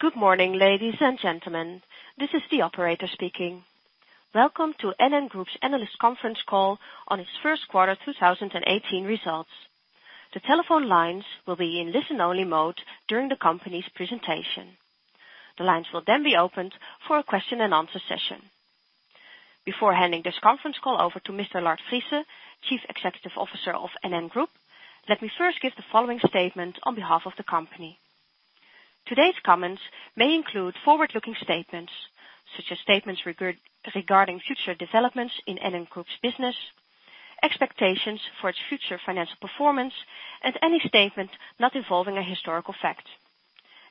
Good morning, ladies and gentlemen. This is the operator speaking. Welcome to NN Group's analyst conference call on its first quarter 2018 results. The telephone lines will be in listen-only mode during the company's presentation. The lines will then be opened for a question and answer session. Before handing this conference call over to Mr. Lard Friese, Chief Executive Officer of NN Group, let me first give the following statement on behalf of the company. Today's comments may include forward-looking statements, such as statements regarding future developments in NN Group's business, expectations for its future financial performance, and any statement not involving a historical fact.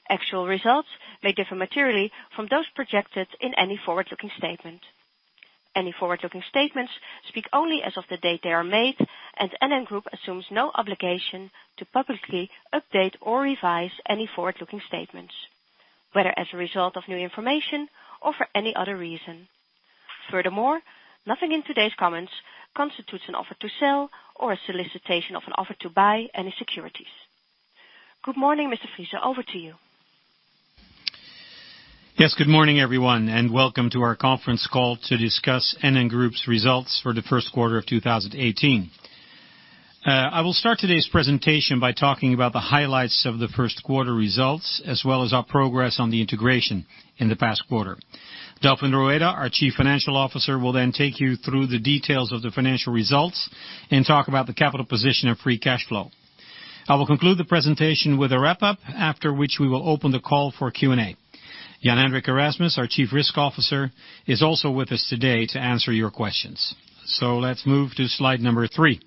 Actual results may differ materially from those projected in any forward-looking statement. Any forward-looking statements speak only as of the date they are made, and NN Group assumes no obligation to publicly update or revise any forward-looking statements, whether as a result of new information or for any other reason. Furthermore, nothing in today's comments constitutes an offer to sell or a solicitation of an offer to buy any securities. Good morning, Mr. Friese. Over to you. Yes, good morning, everyone, and welcome to our conference call to discuss NN Group's results for the first quarter of 2018. I will start today's presentation by talking about the highlights of the first quarter results, as well as our progress on the integration in the past quarter. Delfin Rueda, our Chief Financial Officer, will then take you through the details of the financial results and talk about the capital position of free cash flow. I will conclude the presentation with a wrap-up, after which we will open the call for Q&A. Jan-Hendrik Erasmus, our Chief Risk Officer, is also with us today to answer your questions. So let's move to slide number three.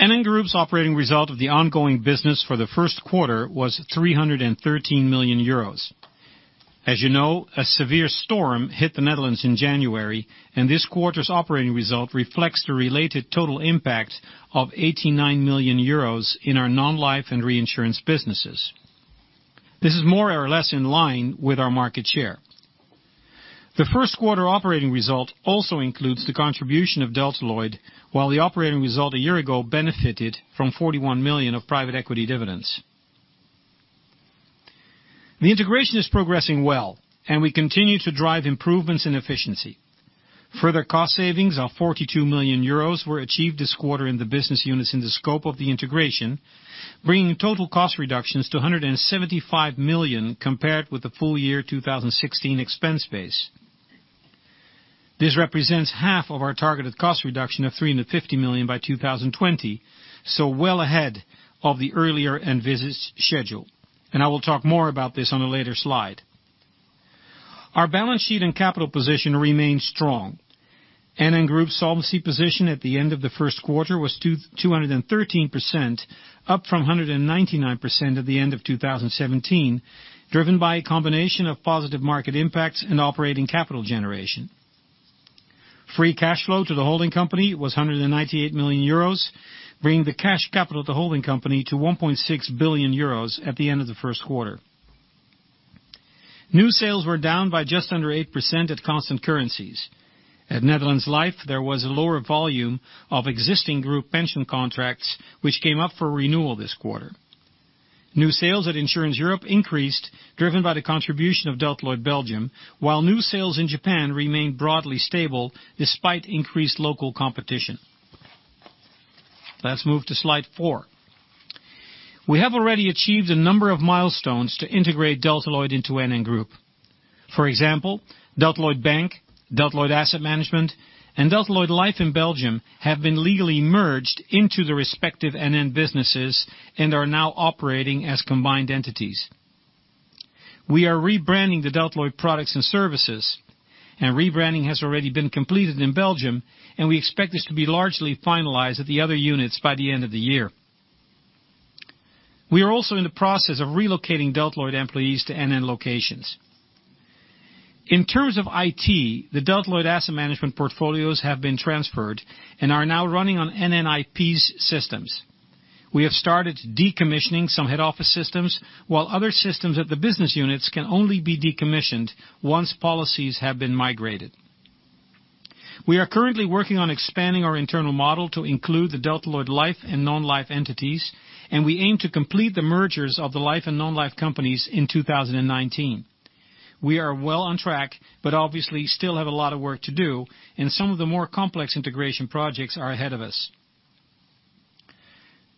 NN Group's operating result of the ongoing business for the first quarter was 313 million euros. As you know, a severe storm hit the Netherlands in January, and this quarter's operating result reflects the related total impact of 89 million euros in our non-life and reinsurance businesses. This is more or less in line with our market share. The first quarter operating result also includes the contribution of Delta Lloyd, while the operating result a year ago benefited from 41 million of private equity dividends. The integration is progressing well, and we continue to drive improvements in efficiency. Further cost savings of 42 million euros were achieved this quarter in the business units in the scope of the integration, bringing total cost reductions to 175 million compared with the full year 2016 expense base. This represents half of our targeted cost reduction of 350 million by 2020, so well ahead of the earlier envisaged schedule, and I will talk more about this on a later slide. Our balance sheet and capital position remain strong. NN Group solvency position at the end of the first quarter was 213%, up from 199% at the end of 2017, driven by a combination of positive market impacts and operating capital generation. Free cash flow to the holding company was 198 million euros, bringing the cash capital to holding company to 1.6 billion euros at the end of the first quarter. New sales were down by just under 8% at constant currencies. At Netherlands Life, there was a lower volume of existing group pension contracts, which came up for renewal this quarter. New sales at Insurance Europe increased, driven by the contribution of Delta Lloyd Belgium, while new sales in Japan remained broadly stable despite increased local competition. Let's move to slide four. We have already achieved a number of milestones to integrate Delta Lloyd into NN Group. For example, Delta Lloyd Bank, Delta Lloyd Asset Management, and Delta Lloyd Life in Belgium have been legally merged into the respective NN businesses and are now operating as combined entities. We are rebranding the Delta Lloyd products and services, and rebranding has already been completed in Belgium, and we expect this to be largely finalized at the other units by the end of the year. We are also in the process of relocating Delta Lloyd employees to NN locations. In terms of IT, the Delta Lloyd Asset Management portfolios have been transferred and are now running on NN IP's systems. We have started decommissioning some head office systems, while other systems at the business units can only be decommissioned once policies have been migrated. We are currently working on expanding our internal model to include the Delta Lloyd Life and Non-Life entities, and we aim to complete the mergers of the Life and Non-Life companies in 2019. We are well on track, obviously still have a lot of work to do, and some of the more complex integration projects are ahead of us.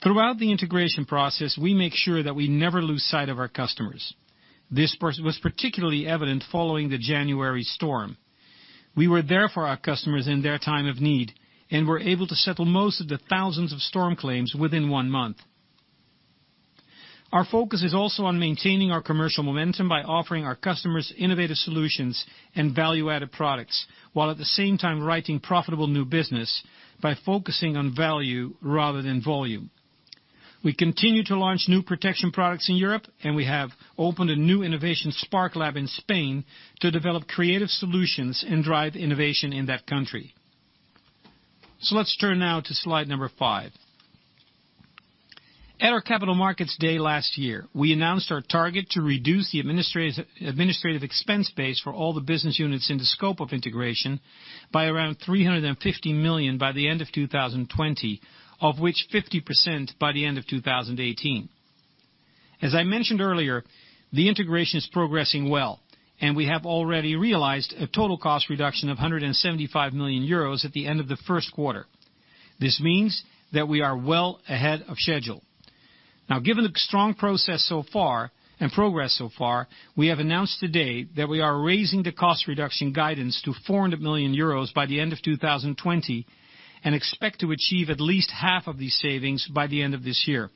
Throughout the integration process, we make sure that we never lose sight of our customers. This was particularly evident following the January storm. We were there for our customers in their time of need and were able to settle most of the thousands of storm claims within one month. Our focus is also on maintaining our commercial momentum by offering our customers innovative solutions and value-added products, while at the same time writing profitable new business by focusing on value rather than volume. We continue to launch new protection products in Europe, and we have opened a new innovation Sparklab in Spain to develop creative solutions and drive innovation in that country. Let's turn now to slide number five. At our Capital Markets Day last year, we announced our target to reduce the administrative expense base for all the business units in the scope of integration by around 350 million by the end of 2020, of which 50% by the end of 2018. As I mentioned earlier, the integration is progressing well, and we have already realized a total cost reduction of 175 million euros at the end of the first quarter. This means that we are well ahead of schedule. Given the strong progress so far, we have announced today that we are raising the cost reduction guidance to 400 million euros by the end of 2020 and expect to achieve at least half of these savings by the end of this year.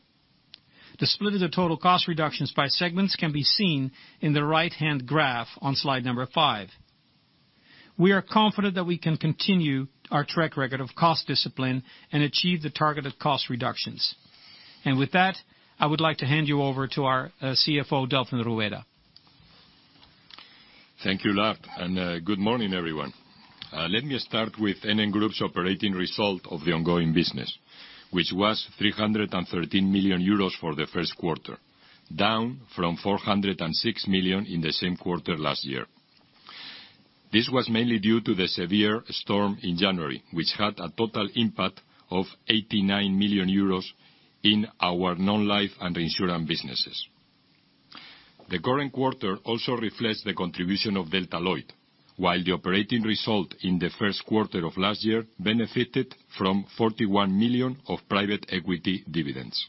The split of the total cost reductions by segments can be seen in the right-hand graph on slide number five. We are confident that we can continue our track record of cost discipline and achieve the targeted cost reductions. With that, I would like to hand you over to our CFO, Delfin Rueda. Thank you, Lard, and good morning, everyone. Let me start with NN Group's operating result of the ongoing business, which was 313 million euros for the first quarter, down from 406 million in the same quarter last year. This was mainly due to the severe storm in January, which had a total impact of 89 million euros in our non-life and reinsurance businesses. The current quarter also reflects the contribution of Delta Lloyd. While the operating result in the first quarter of last year benefited from 41 million of private equity dividends.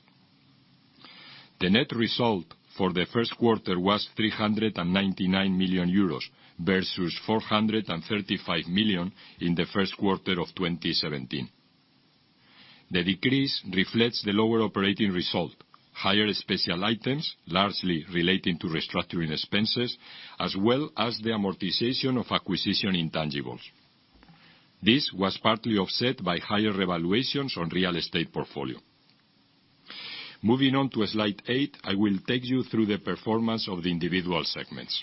The net result for the first quarter was 399 million euros versus 435 million in the first quarter of 2017. The decrease reflects the lower operating result, higher special items, largely relating to restructuring expenses, as well as the amortization of acquisition intangibles. This was partly offset by higher revaluations on real estate portfolio. Moving on to slide eight, I will take you through the performance of the individual segments.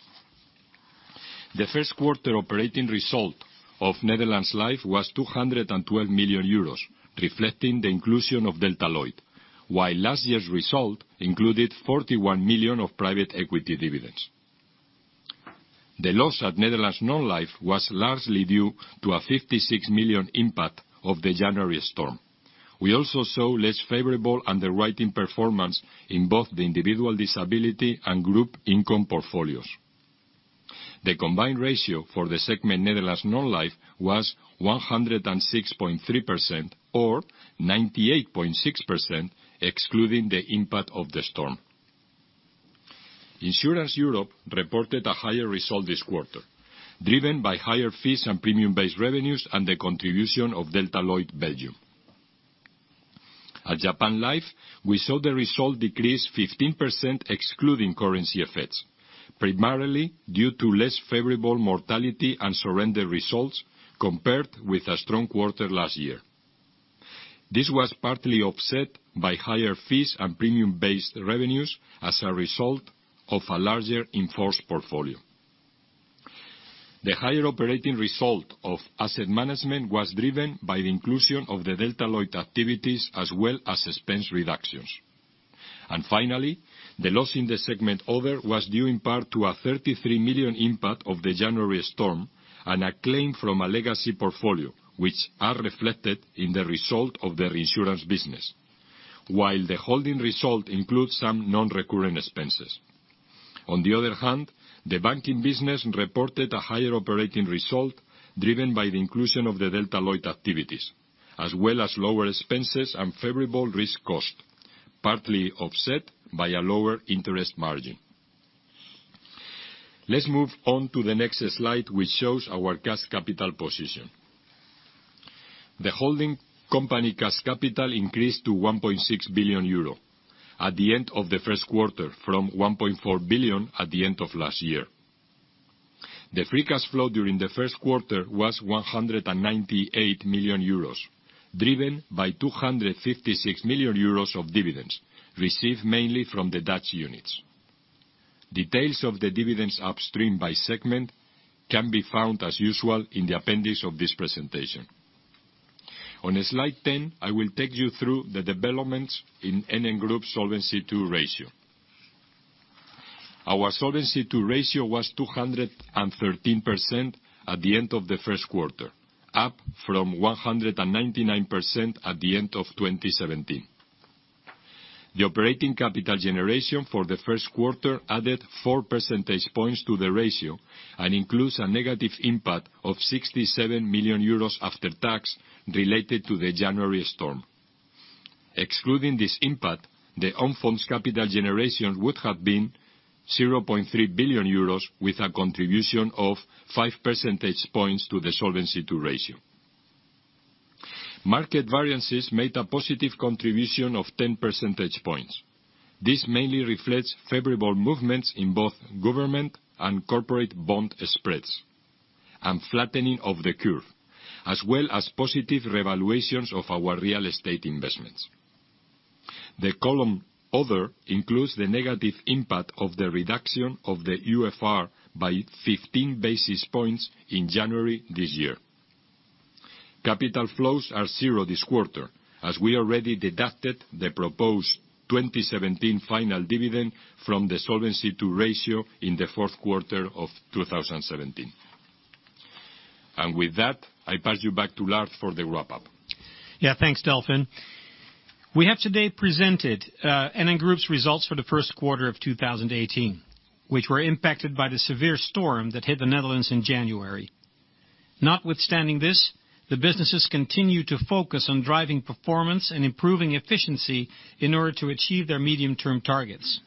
The first quarter operating result of Netherlands Life was 212 million euros, reflecting the inclusion of Delta Lloyd. While last year's result included 41 million of private equity dividends. The loss at Netherlands Non-Life was largely due to a 56 million impact of the January storm. We also saw less favorable underwriting performance in both the individual disability and group income portfolios. The combined ratio for the segment Netherlands Non-Life was 106.3%, or 98.6% excluding the impact of the storm. Insurance Europe reported a higher result this quarter, driven by higher fees and premium-based revenues and the contribution of Delta Lloyd Belgium. At Japan Life, we saw the result decrease 15% excluding currency effects, primarily due to less favorable mortality and surrender results compared with a strong quarter last year. This was partly offset by higher fees and premium-based revenues as a result of a larger in-force portfolio. The higher operating result of Asset Management was driven by the inclusion of the Delta Lloyd activities as well as expense reductions. Finally, the loss in the segment Other was due in part to a 33 million impact of the January storm and a claim from a legacy portfolio, which are reflected in the result of the reinsurance business. While the holding result includes some non-reoccurring expenses. On the other hand, the banking business reported a higher operating result driven by the inclusion of the Delta Lloyd activities, as well as lower expenses and favorable risk cost, partly offset by a lower interest margin. Let's move on to the next slide, which shows our cash capital position. The holding company cash capital increased to 1.6 billion euro at the end of the first quarter from 1.4 billion at the end of last year. The free cash flow during the first quarter was 198 million euros, driven by 256 million euros of dividends received mainly from the Dutch units. Details of the dividends upstream by segment can be found as usual in the appendix of this presentation. On slide 10, I will take you through the developments in NN Group Solvency II ratio. Our Solvency II ratio was 213% at the end of the first quarter, up from 199% at the end of 2017. The operating capital generation for the first quarter added four percentage points to the ratio and includes a negative impact of 67 million euros after tax related to the January storm. Excluding this impact, the own-funds capital generation would have been 0.3 billion euros with a contribution of five percentage points to the Solvency II ratio. Market variances made a positive contribution of 10 percentage points. This mainly reflects favorable movements in both government and corporate bond spreads and flattening of the curve, as well as positive revaluations of our real estate investments. The column Other includes the negative impact of the reduction of the UFR by 15 basis points in January this year. Capital flows are zero this quarter, as we already deducted the proposed 2017 final dividend from the Solvency II ratio in the fourth quarter of 2017. With that, I pass you back to Lard for the wrap-up. Thanks, Delfin. We have today presented NN Group's results for the first quarter of 2018, which were impacted by the severe storm that hit the Netherlands in January. Notwithstanding this, the businesses continue to focus on driving performance and improving efficiency in order to achieve their medium-term targets.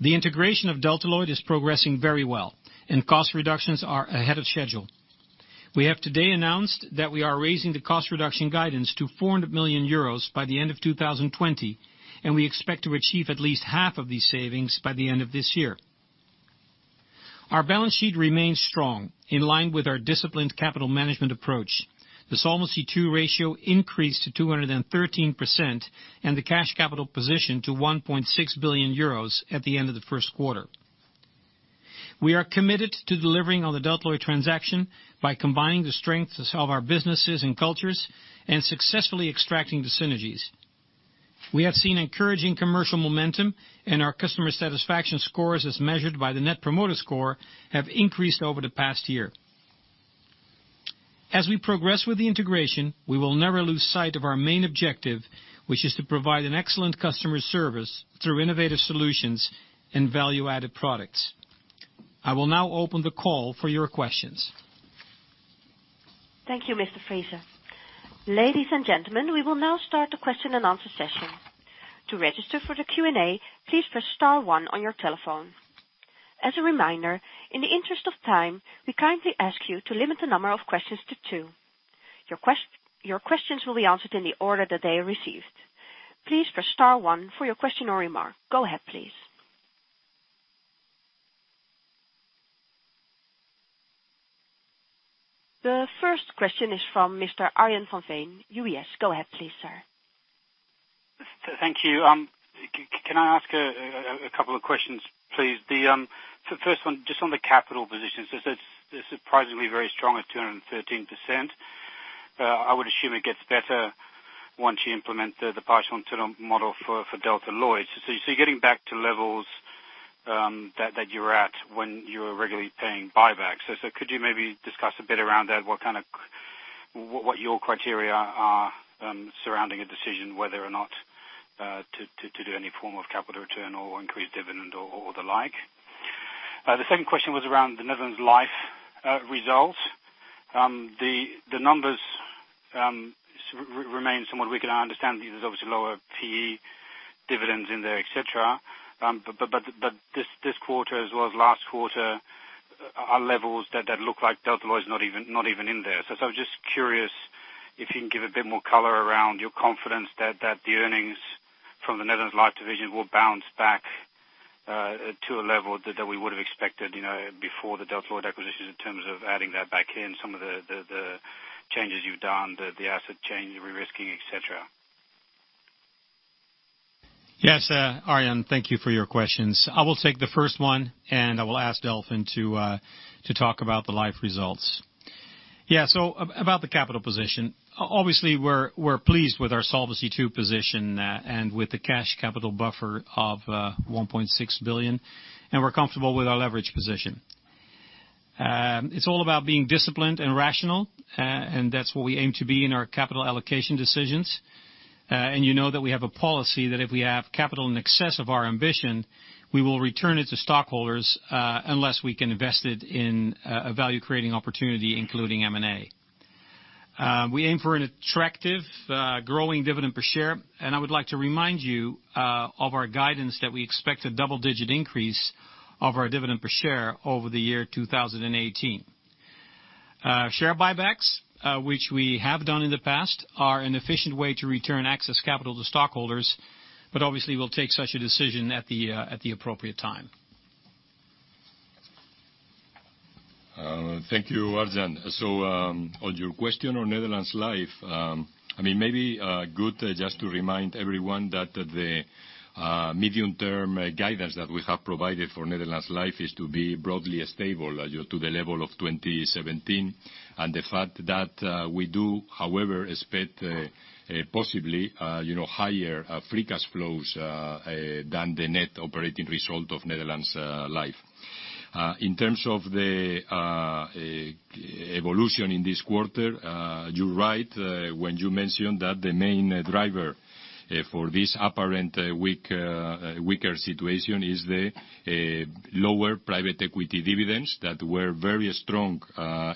The integration of Delta Lloyd is progressing very well, and cost reductions are ahead of schedule. We have today announced that we are raising the cost reduction guidance to 400 million euros by the end of 2020, and we expect to achieve at least half of these savings by the end of this year. Our balance sheet remains strong, in line with our disciplined capital management approach. The Solvency II ratio increased to 213%, and the cash capital position to 1.6 billion euros at the end of the first quarter. We are committed to delivering on the Delta Lloyd transaction by combining the strengths of our businesses and cultures and successfully extracting the synergies. We have seen encouraging commercial momentum, and our customer satisfaction scores, as measured by the Net Promoter Score, have increased over the past year. As we progress with the integration, we will never lose sight of our main objective, which is to provide an excellent customer service through innovative solutions and value-added products. I will now open the call for your questions. Thank you, Mr. Friese. Ladies and gentlemen, we will now start the question-and-answer session. To register for the Q&A, please press star one on your telephone. As a reminder, in the interest of time, we kindly ask you to limit the number of questions to two. Your questions will be answered in the order that they are received. Please press star one for your question or remark. Go ahead, please. The first question is from Mr. Arjan van Veen, UBS. Go ahead please, sir. Thank you. Can I ask a couple of questions, please? The first one, just on the capital position. It's surprisingly very strong at 213%. I would assume it gets better once you implement the Partial Internal Model for Delta Lloyd. You're getting back to levels that you were at when you were regularly paying buyback. Could you maybe discuss a bit around that? What your criteria are surrounding a decision whether or not to do any form of capital return or increase dividend or the like? The second question was around the Netherlands Life results. The numbers remain somewhat weak, and I understand there's obviously lower PE dividends in there, et cetera. This quarter as well as last quarter are levels that look like Delta Lloyd's not even in there. I was just curious if you can give a bit more color around your confidence that the earnings from the Netherlands Life division will bounce back to a level that we would have expected before the Delta Lloyd acquisition in terms of adding that back in some of the changes you've done, the asset change, the risking, et cetera. Yes. Arjan, thank you for your questions. I will take the first one, and I will ask Delfin to talk about the Life results. About the capital position. Obviously, we're pleased with our Solvency II position and with the cash capital buffer of 1.6 billion, and we're comfortable with our leverage position. It's all about being disciplined and rational, and that's what we aim to be in our capital allocation decisions. You know that we have a policy that if we have capital in excess of our ambition, we will return it to stockholders, unless we can invest it in a value-creating opportunity, including M&A. We aim for an attractive growing dividend per share, and I would like to remind you of our guidance that we expect a double-digit increase of our dividend per share over the year 2018. Share buybacks, which we have done in the past, are an efficient way to return excess capital to stockholders. Obviously, we'll take such a decision at the appropriate time. Thank you, Arjan. On your question on Netherlands Life, maybe good just to remind everyone that the medium-term guidance that we have provided for Netherlands Life is to be broadly stable to the level of 2017. The fact that we do, however, expect possibly higher free cash flows than the net operating result of Netherlands Life. In terms of the evolution in this quarter, you're right when you mentioned that the main driver for this apparent weaker situation is the lower private equity dividends that were very strong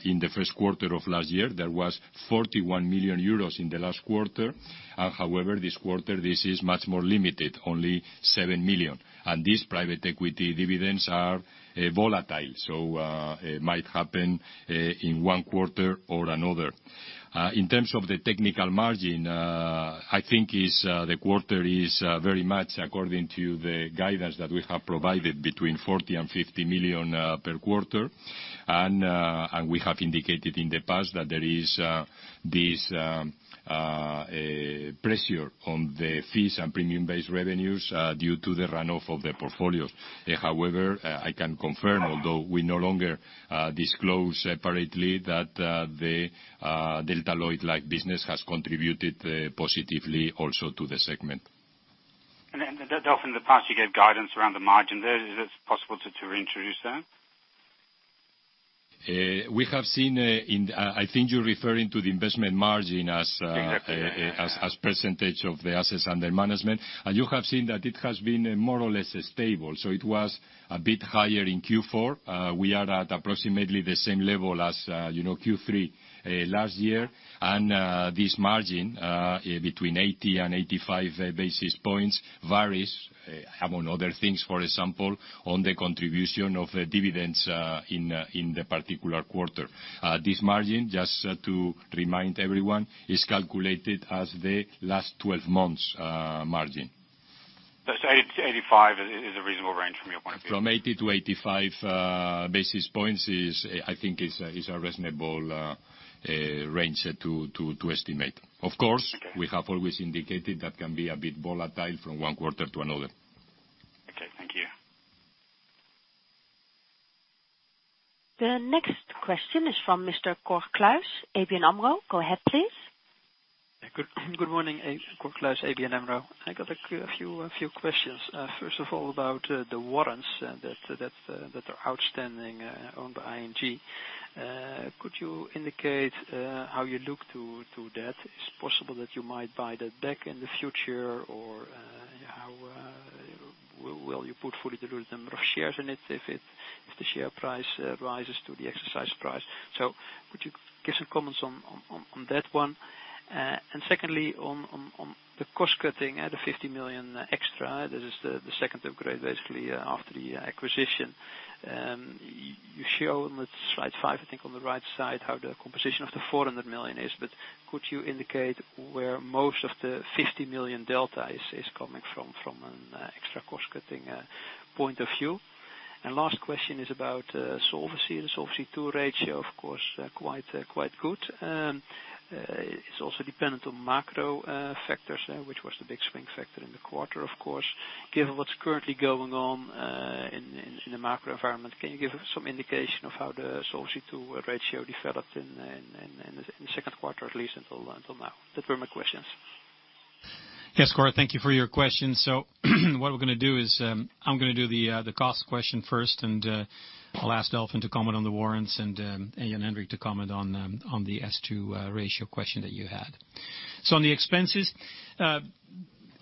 in the first quarter of last year. There was 41 million euros in the last quarter. However, this quarter, this is much more limited, only 7 million. These private equity dividends are volatile, so it might happen in one quarter or another. In terms of the technical margin, I think the quarter is very much according to the guidance that we have provided between 40 million and 50 million per quarter. We have indicated in the past that there is this pressure on the fees and premium-based revenues due to the run-off of the portfolios. However, I can confirm, although we no longer disclose separately, that the Delta Lloyd Life business has contributed positively also to the segment. Delfin, in the past you gave guidance around the margin there. Is it possible to reintroduce that? I think you're referring to the investment margin as- Exactly percentage of the assets under management. You have seen that it has been more or less stable. It was a bit higher in Q4. We are at approximately the same level as Q3 last year. This margin between 80 and 85 basis points varies, among other things, for example, on the contribution of dividends in the particular quarter. This margin, just to remind everyone, is calculated as the last 12 months margin. 80 to 85 is a reasonable range from your point of view. From 80 to 85 basis points, I think is a reasonable range to estimate. Of course- Okay we have always indicated that can be a bit volatile from one quarter to another. Okay. Thank you. The next question is from Mr. Cor Kluis, ABN AMRO. Go ahead, please. Good morning. Cor Kluis, ABN AMRO. I got a few questions. First of all, about the warrants that are outstanding on the ING. Could you indicate how you look to that? Is it possible that you might buy that back in the future, or how will you put fully diluted number of shares in it if the share price rises to the exercise price? Could you give some comments on that one? Secondly, on the cost cutting at a 50 million extra. This is the second upgrade, basically, after the acquisition. You show on the slide five, I think on the right side, how the composition of the 400 million is. Could you indicate where most of the 50 million delta is coming from an extra cost cutting point of view? Last question is about solvency. The Solvency II ratio, of course, quite good. It's also dependent on macro factors, which was the big swing factor in the quarter, of course. Given what's currently going on in the macro environment, can you give some indication of how the Solvency II ratio developed in the second quarter, at least until now? That were my questions. Yes, Cor, thank you for your questions. What we're going to do is, I'm going to do the cost question first, and I'll ask Delfin to comment on the warrants and Jan-Hendrik to comment on the S2 ratio question that you had. On the expenses,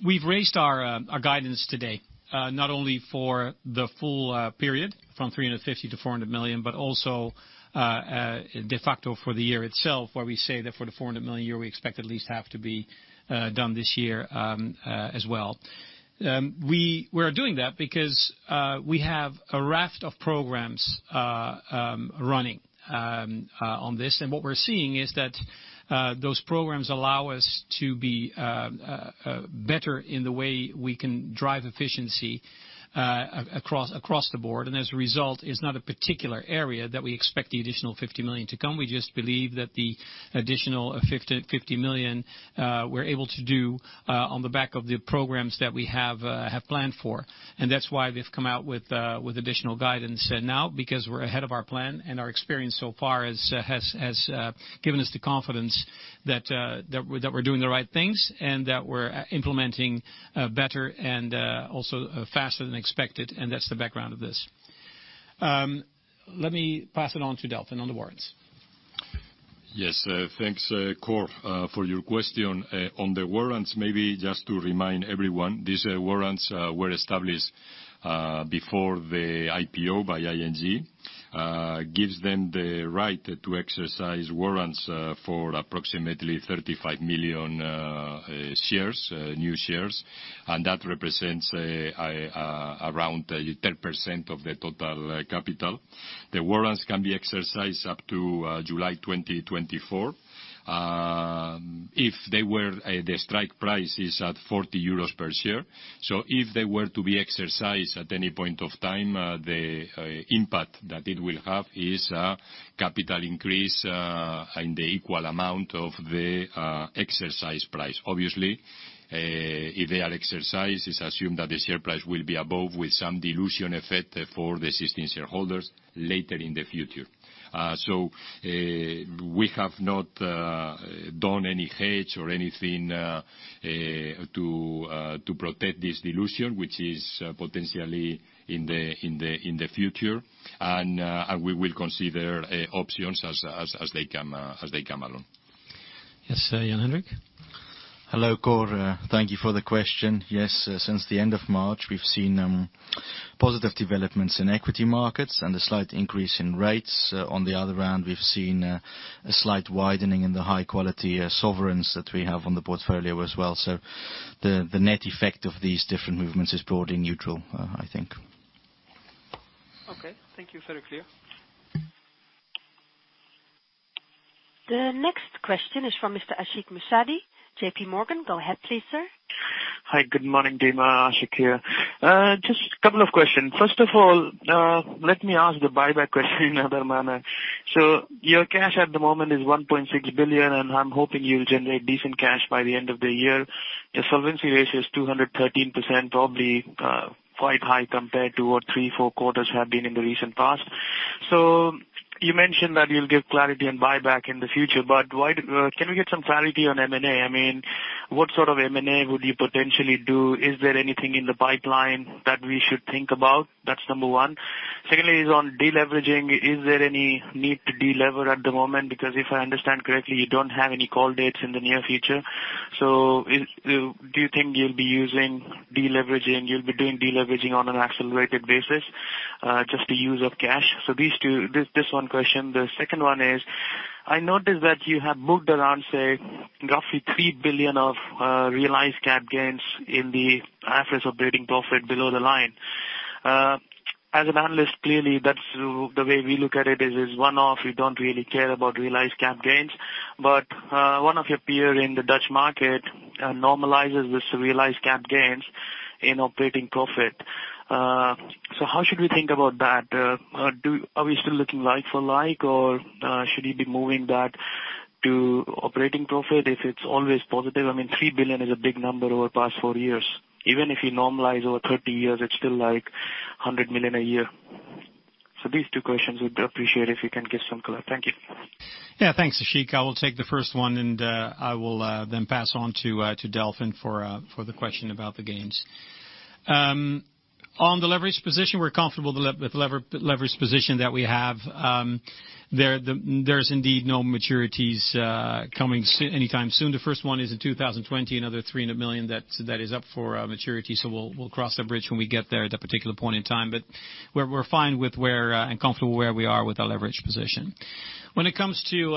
we've raised our guidance today, not only for the full period from 350 million to 400 million, but also de facto for the year itself, where we say that for the 400 million a year, we expect at least half to be done this year as well. We are doing that because we have a raft of programs running on this. What we're seeing is that those programs allow us to be better in the way we can drive efficiency across the board. As a result, it's not a particular area that we expect the additional 50 million to come. We just believe that the additional 50 million we're able to do on the back of the programs that we have planned for. That's why we've come out with additional guidance now, because we're ahead of our plan, and our experience so far has given us the confidence that we're doing the right things and that we're implementing better and also faster than expected, and that's the background of this. Let me pass it on to Delfin on the warrants. Yes, thanks, Cor, for your question. On the warrants, maybe just to remind everyone, these warrants were established before the IPO by ING. Gives them the right to exercise warrants for approximately 35 million new shares, and that represents around 10% of the total capital. The warrants can be exercised up to July 2024. The strike price is at 40 euros per share. If they were to be exercised at any point of time, the impact that it will have is a capital increase in the equal amount of the exercise price. Obviously, if they are exercised, it's assumed that the share price will be above with some dilution effect for the existing shareholders later in the future. We will consider options as they come along. Yes, Jan-Hendrik. Hello, Cor. Thank you for the question. Yes, since the end of March, we've seen positive developments in equity markets and a slight increase in rates. On the other end, we've seen a slight widening in the high-quality sovereigns that we have on the portfolio as well. The net effect of these different movements is broadly neutral, I think. Okay. Thank you. Very clear. The next question is from Mr. Ashik Musaddi, JPMorgan. Go ahead, please, sir. Hi, good morning, team. Ashik here. Just a couple of questions. First of all, let me ask the buyback question in another manner. Your cash at the moment is 1.6 billion, and I'm hoping you'll generate decent cash by the end of the year. Your solvency ratio is 213%, probably quite high compared to what three, four quarters have been in the recent past. You mentioned that you'll give clarity on buyback in the future, but can we get some clarity on M&A? What sort of M&A would you potentially do? Is there anything in the pipeline that we should think about? That's number one. Secondly, is on deleveraging. Is there any need to delever at the moment? Because if I understand correctly, you don't have any call dates in the near future. Do you think you'll be doing deleveraging on an accelerated basis, just the use of cash? These two, this one question. The second one is, I noticed that you have moved around, say, roughly 3 billion of realized cap gains in the IFRS operating profit below the line. As an analyst, clearly the way we look at it is, it's one-off. We don't really care about realized cap gains. One of your peer in the Dutch market normalizes this realized cap gains in operating profit. How should we think about that? Are we still looking like for like, or should you be moving that to operating profit if it's always positive? 3 billion is a big number over the past four years. Even if you normalize over 30 years, it's still like 100 million a year. These two questions, we'd appreciate if you can give some color. Thank you. Yeah, thanks, Ashik. I will take the first one, and I will then pass on to Delfin for the question about the gains. On the leverage position, we're comfortable with the leverage position that we have. There's indeed no maturities coming anytime soon. The first one is in 2020, another 300 million that is up for maturity, we'll cross that bridge when we get there at that particular point in time. We're fine and comfortable where we are with our leverage position. When it comes to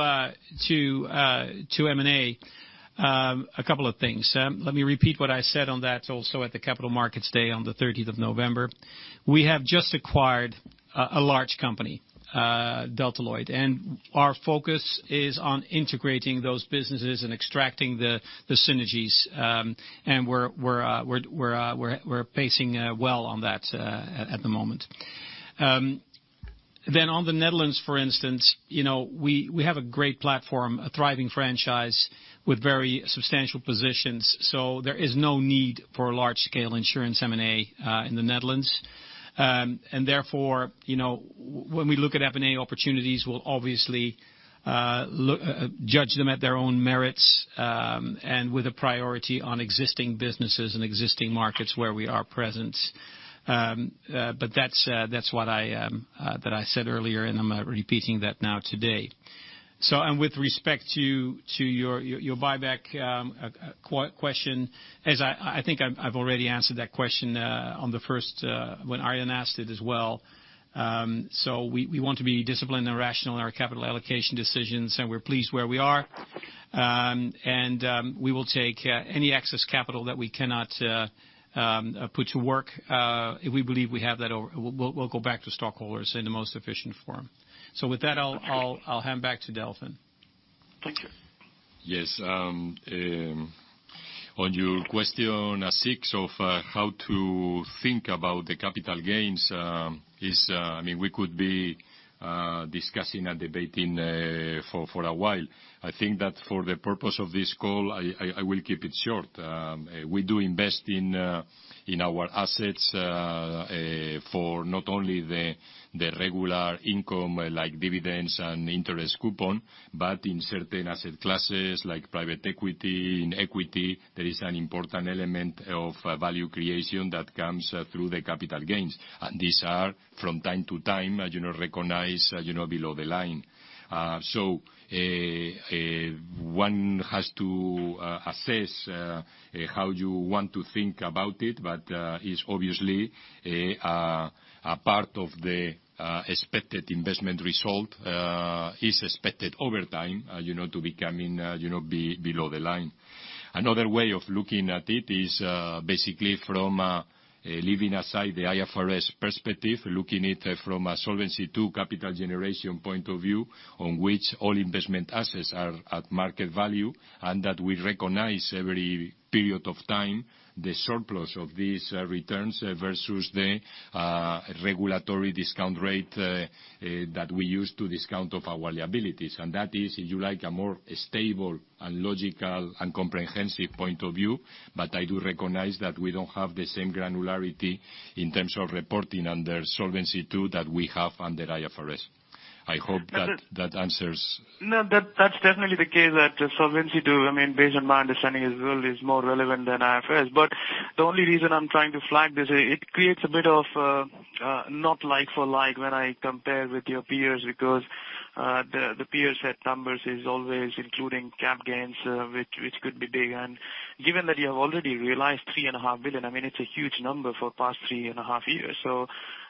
M&A, a couple of things. Let me repeat what I said on that also at the Capital Markets Day on the 30th of November. We have just acquired a large company, Delta Lloyd, and our focus is on integrating those businesses and extracting the synergies. We're pacing well on that at the moment. On the Netherlands, for instance, we have a great platform, a thriving franchise with very substantial positions. There is no need for large-scale insurance M&A in the Netherlands. Therefore, when we look at M&A opportunities, we'll obviously judge them at their own merits, and with a priority on existing businesses and existing markets where we are present. That's what I said earlier, and I'm repeating that now today. With respect to your buyback question, as I think I've already answered that question on the first, when Arjan asked it as well. We want to be disciplined and rational in our capital allocation decisions, and we're pleased where we are. We will take any excess capital that we cannot put to work. We believe we have that. We'll go back to stockholders in the most efficient form. With that, I'll hand back to Delfin. Thank you. Yes. On your question, Ashik, of how to think about the capital gains, we could be discussing and debating for a while. I think that for the purpose of this call, I will keep it short. We do invest in our assets, for not only the regular income, like dividends and interest coupon, but in certain asset classes, like private equity and equity. There is an important element of value creation that comes through the capital gains. These are from time to time, recognized below the line. One has to assess how you want to think about it, but is obviously a part of the expected investment result, is expected over time to be coming below the line. Another way of looking at it is, basically from leaving aside the IFRS perspective, looking it from a Solvency II capital generation point of view, on which all investment assets are at market value, and that we recognize every period of time, the surplus of these returns versus the regulatory discount rate that we use to discount off our liabilities. That is, if you like, a more stable and logical and comprehensive point of view. I do recognize that we don't have the same granularity in terms of reporting under Solvency II that we have under IFRS. I hope that answers. No, that's definitely the case that Solvency II, based on my understanding as well, is more relevant than IFRS. The only reason I'm trying to flag this, it creates a bit of a not like for like when I compare with your peers, because, the peer set numbers is always including cap gains, which could be big. Given that you have already realized 3.5 billion, it's a huge number for the past 3.5 years.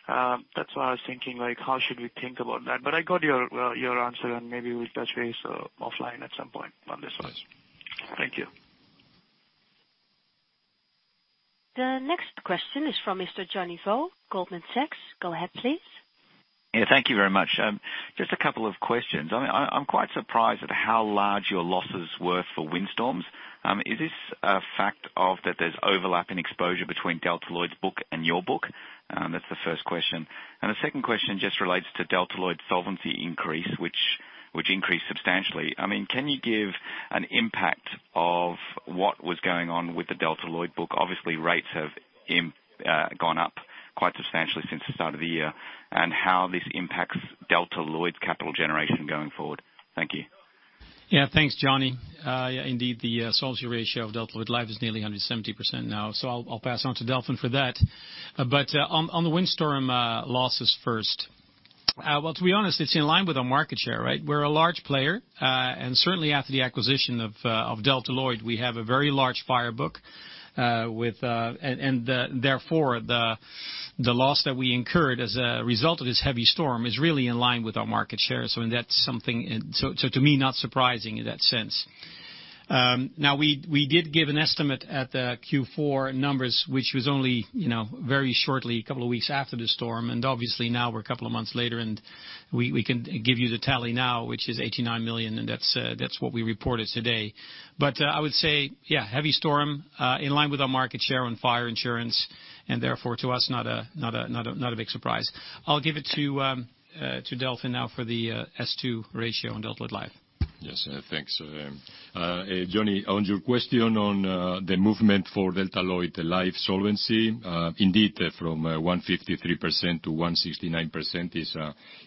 That's why I was thinking, like, how should we think about that? I got your answer, and maybe we'll touch base offline at some point on this one. Yes. Thank you. The next question is from Mr. Johnny Vo, Goldman Sachs. Go ahead, please. Thank you very much. Just a couple of questions. I am quite surprised at how large your losses were for windstorms. Is this a fact of that there is overlap in exposure between Delta Lloyd’s book and your book? That is the first question. The second question just relates to Delta Lloyd’s solvency increase, which increased substantially. Can you give an impact of what was going on with the Delta Lloyd book? Obviously, rates have gone up quite substantially since the start of the year. How this impacts Delta Lloyd’s capital generation going forward. Thank you. Thanks, Johnny. Indeed, the solvency ratio of Delta Lloyd Life is nearly 170% now, so I will pass on to Delfin for that. On the windstorm losses first. Well, to be honest, it is in line with our market share. We are a large player, and certainly after the acquisition of Delta Lloyd, we have a very large fire book. Therefore, the loss that we incurred as a result of this heavy storm is really in line with our market share. To me, not surprising in that sense. We did give an estimate at the Q4 numbers, which was only very shortly, a couple of weeks after the storm, and obviously now we are a couple of months later, and we can give you the tally now, which is 89 million, and that is what we reported today. I would say, heavy storm, in line with our market share on fire insurance, and therefore to us, not a big surprise. I will give it to Delfin now for the S2 ratio on Delta Lloyd Life. Thanks, Johnny, on your question on the movement for Delta Lloyd Life solvency. Indeed, from 153% to 169%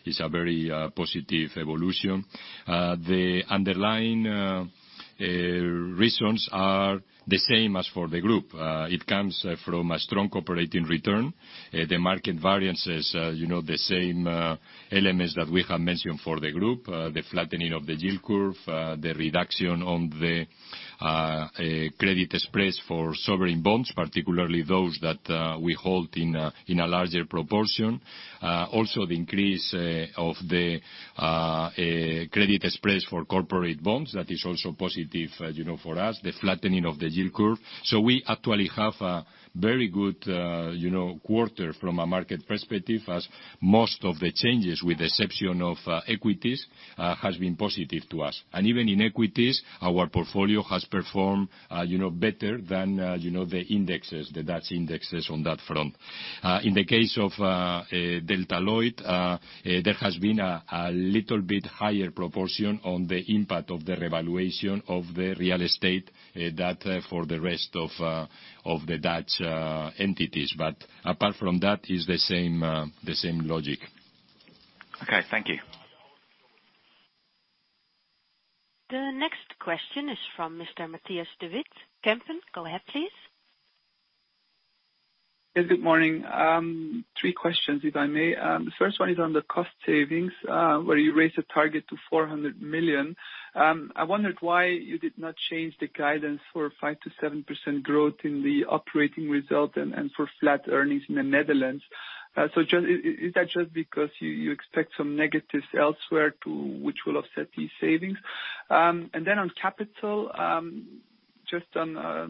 is a very positive evolution. The underlying reasons are the same as for the group. It comes from a strong operating return. The market variances, the same elements that we have mentioned for the group, the flattening of the yield curve, the reduction on the credit spreads for sovereign bonds, particularly those that we hold in a larger proportion. Also, the increase of the credit spreads for corporate bonds, that is also positive for us. The flattening of the yield curve. We actually have a very good quarter from a market perspective, as most of the changes, with the exception of equities, has been positive to us. Even in equities, our portfolio has performed better than the Dutch indexes on that front. In the case of Delta Lloyd, there has been a little bit higher proportion on the impact of the revaluation of the real estate data for the rest of the Dutch entities. Apart from that, it's the same logic. Okay, thank you. The next question is from Mr. Matthias de Wiet, Kempen. Go ahead, please. Yes, good morning. Three questions, if I may. The first one is on the cost savings, where you raised the target to 400 million. I wondered why you did not change the guidance for 5%-7% growth in the operating result and for flat earnings in the Netherlands. Is that just because you expect some negatives elsewhere, which will offset these savings? On capital, just a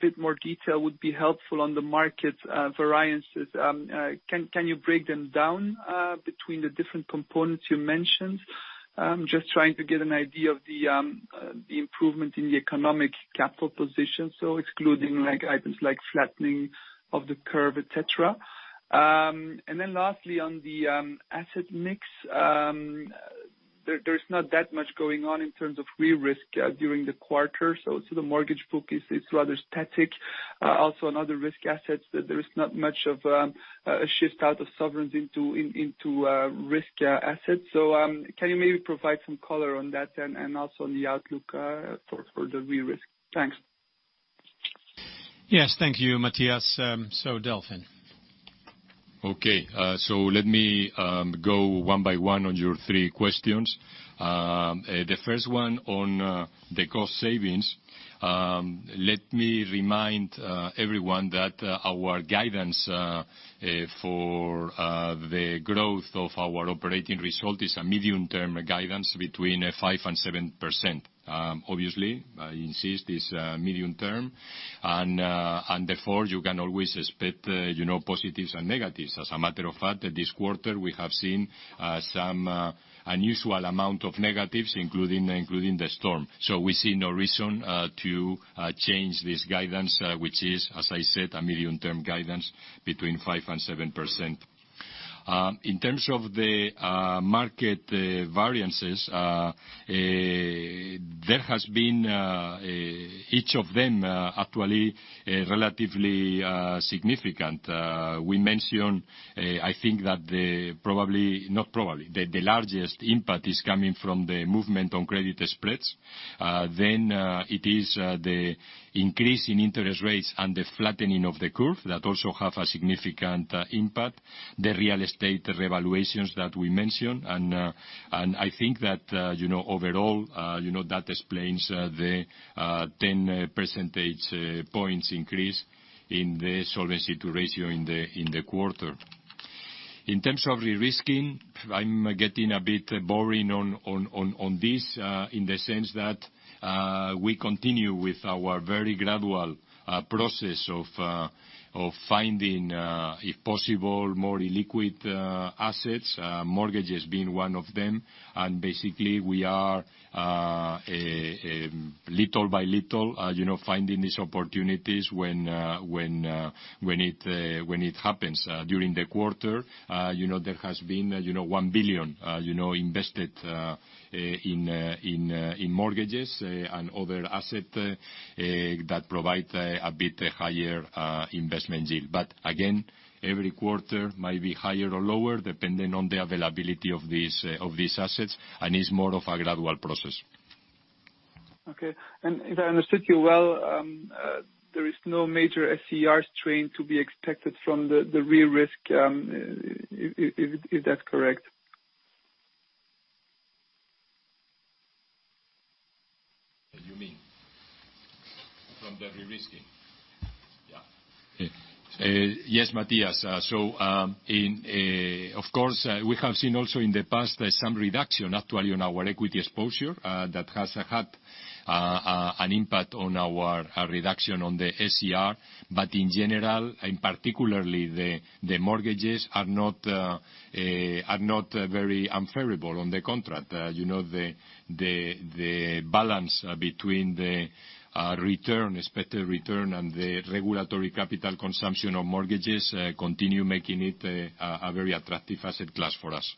bit more detail would be helpful on the market variances. Can you break them down between the different components you mentioned? Just trying to get an idea of the improvement in the economic capital position. Excluding items like flattening of the curve, et cetera. Lastly, on the asset mix. There's not that much going on in terms of re-risk during the quarter. The mortgage book is rather static. On other risk assets, there is not much of a shift out of sovereigns into risk assets. Can you maybe provide some color on that and also on the outlook for the re-risk? Thanks. Yes. Thank you, Matthias. Delfin. Okay. Let me go one by one on your three questions. The first one on the cost savings. Let me remind everyone that our guidance for the growth of our operating result is a medium-term guidance between 5% and 7%. Obviously, I insist, it's medium-term, and therefore you can always expect positives and negatives. As a matter of fact, this quarter, we have seen some unusual amount of negatives, including the storm. We see no reason to change this guidance, which is, as I said, a medium-term guidance between 5% and 7%. In terms of the market variances, there has been each of them actually relatively significant. We mentioned, I think that the largest impact is coming from the movement on credit spreads. It is the increase in interest rates and the flattening of the curve that also have a significant impact. The real estate revaluations that we mentioned. I think that overall, that explains the 10 percentage points increase in the Solvency II ratio in the quarter. In terms of re-risking, I'm getting a bit boring on this, in the sense that we continue with our very gradual process of finding, if possible, more illiquid assets, mortgages being one of them. Basically we are Little by little, finding these opportunities when it happens during the quarter. There has been 1 billion invested in mortgages and other asset that provide a bit higher investment yield. Again, every quarter might be higher or lower, depending on the availability of these assets, and is more of a gradual process. Okay. If I understood you well, there is no major SCR strain to be expected from the re-risk. Is that correct? What do you mean? From the re-risking? Yeah. Yes, Matthias. Of course, we have seen also in the past, there's some reduction actually on our equity exposure that has had an impact on our reduction on the SCR. In general, particularly, the mortgages are not very unfavorable on the contract. The balance between the expected return, and the regulatory capital consumption of mortgages continue making it a very attractive asset class for us.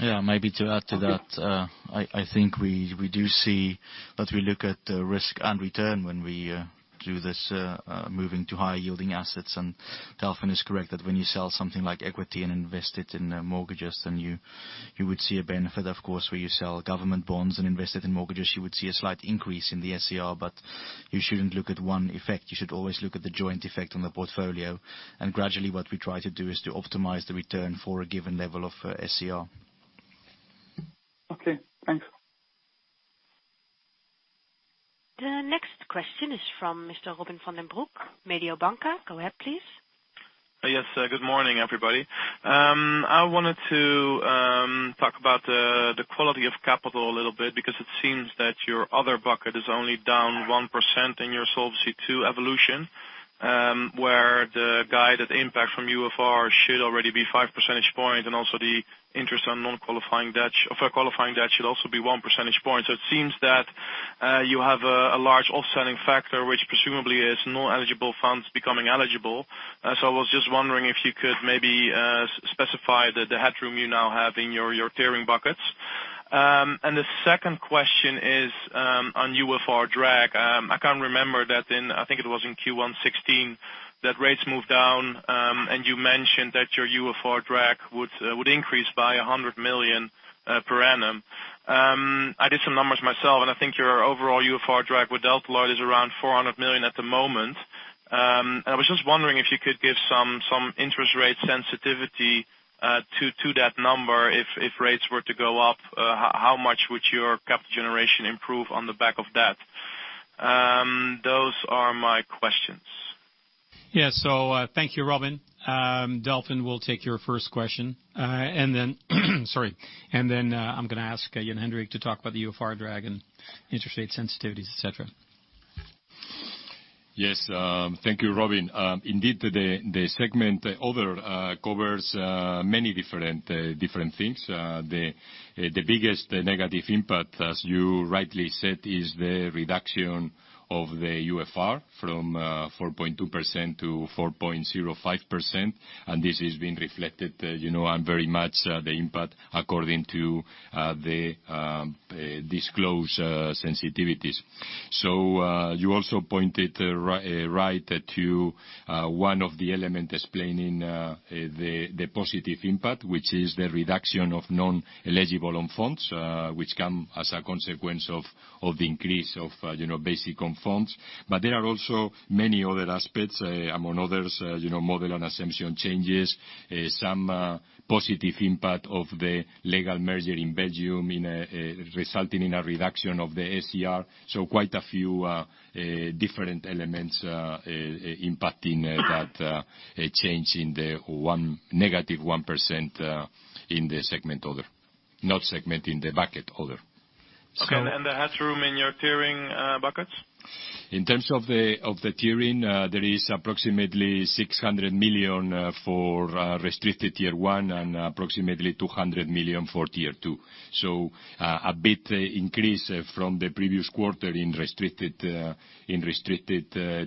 Yeah, maybe to add to that, I think we do see that we look at the risk and return when we do this moving to higher yielding assets. Delfin is correct that when you sell something like equity and invest it in mortgages, you would see a benefit, of course, where you sell government bonds and invest it in mortgages, you would see a slight increase in the SCR, you shouldn't look at one effect. You should always look at the joint effect on the portfolio. Gradually what we try to do is to optimize the return for a given level of SCR. Okay, thanks. The next question is from Mr. Robin van den Broek, Mediobanca. Go ahead, please. Yes, good morning, everybody. I wanted to talk about the quality of capital a little bit, because it seems that your other bucket is only down 1% in your Solvency II evolution, where the guided impact from UFR should already be five percentage point, and also the interest among qualifying debt should also be one percentage point. It seems that you have a large offsetting factor, which presumably is not eligible funds becoming eligible. I was just wondering if you could maybe specify the headroom you now have in your tiering buckets. The second question is on UFR drag. I can't remember that in, I think it was in Q1 2016, that rates moved down, and you mentioned that your UFR drag would increase by 100 million per annum. I did some numbers myself, and I think your overall UFR drag with Delta Lloyd is around 400 million at the moment. I was just wondering if you could give some interest rate sensitivity to that number. If rates were to go up, how much would your capital generation improve on the back of that? Those are my questions. Yeah. Thank you, Robin. Delfin will take your first question. Then, sorry. Then I'm going to ask Jan-Hendrik to talk about the UFR drag and interest rate sensitivities, et cetera. Yes. Thank you, Robin. Indeed, the segment Other covers many different things. The biggest negative impact, as you rightly said, is the reduction of the UFR from 4.2% to 4.05%. This is being reflected, and very much the impact according to the disclosed sensitivities. You also pointed right to one of the element explaining the positive impact, which is the reduction of non-eligible own funds, which come as a consequence of the increase of basic own funds. There are also many other aspects, among others, model and assumption changes, some positive impact of the legal merger in Belgium resulting in a reduction of the SCR. Quite a few different elements impacting that change in the negative 1% in the segment other. Not segment, in the bucket other. Okay. The headroom in your tiering buckets? In terms of the tiering, there is approximately 600 million for restricted Tier 1 and approximately 200 million for Tier 2. A bit increase from the previous quarter in restricted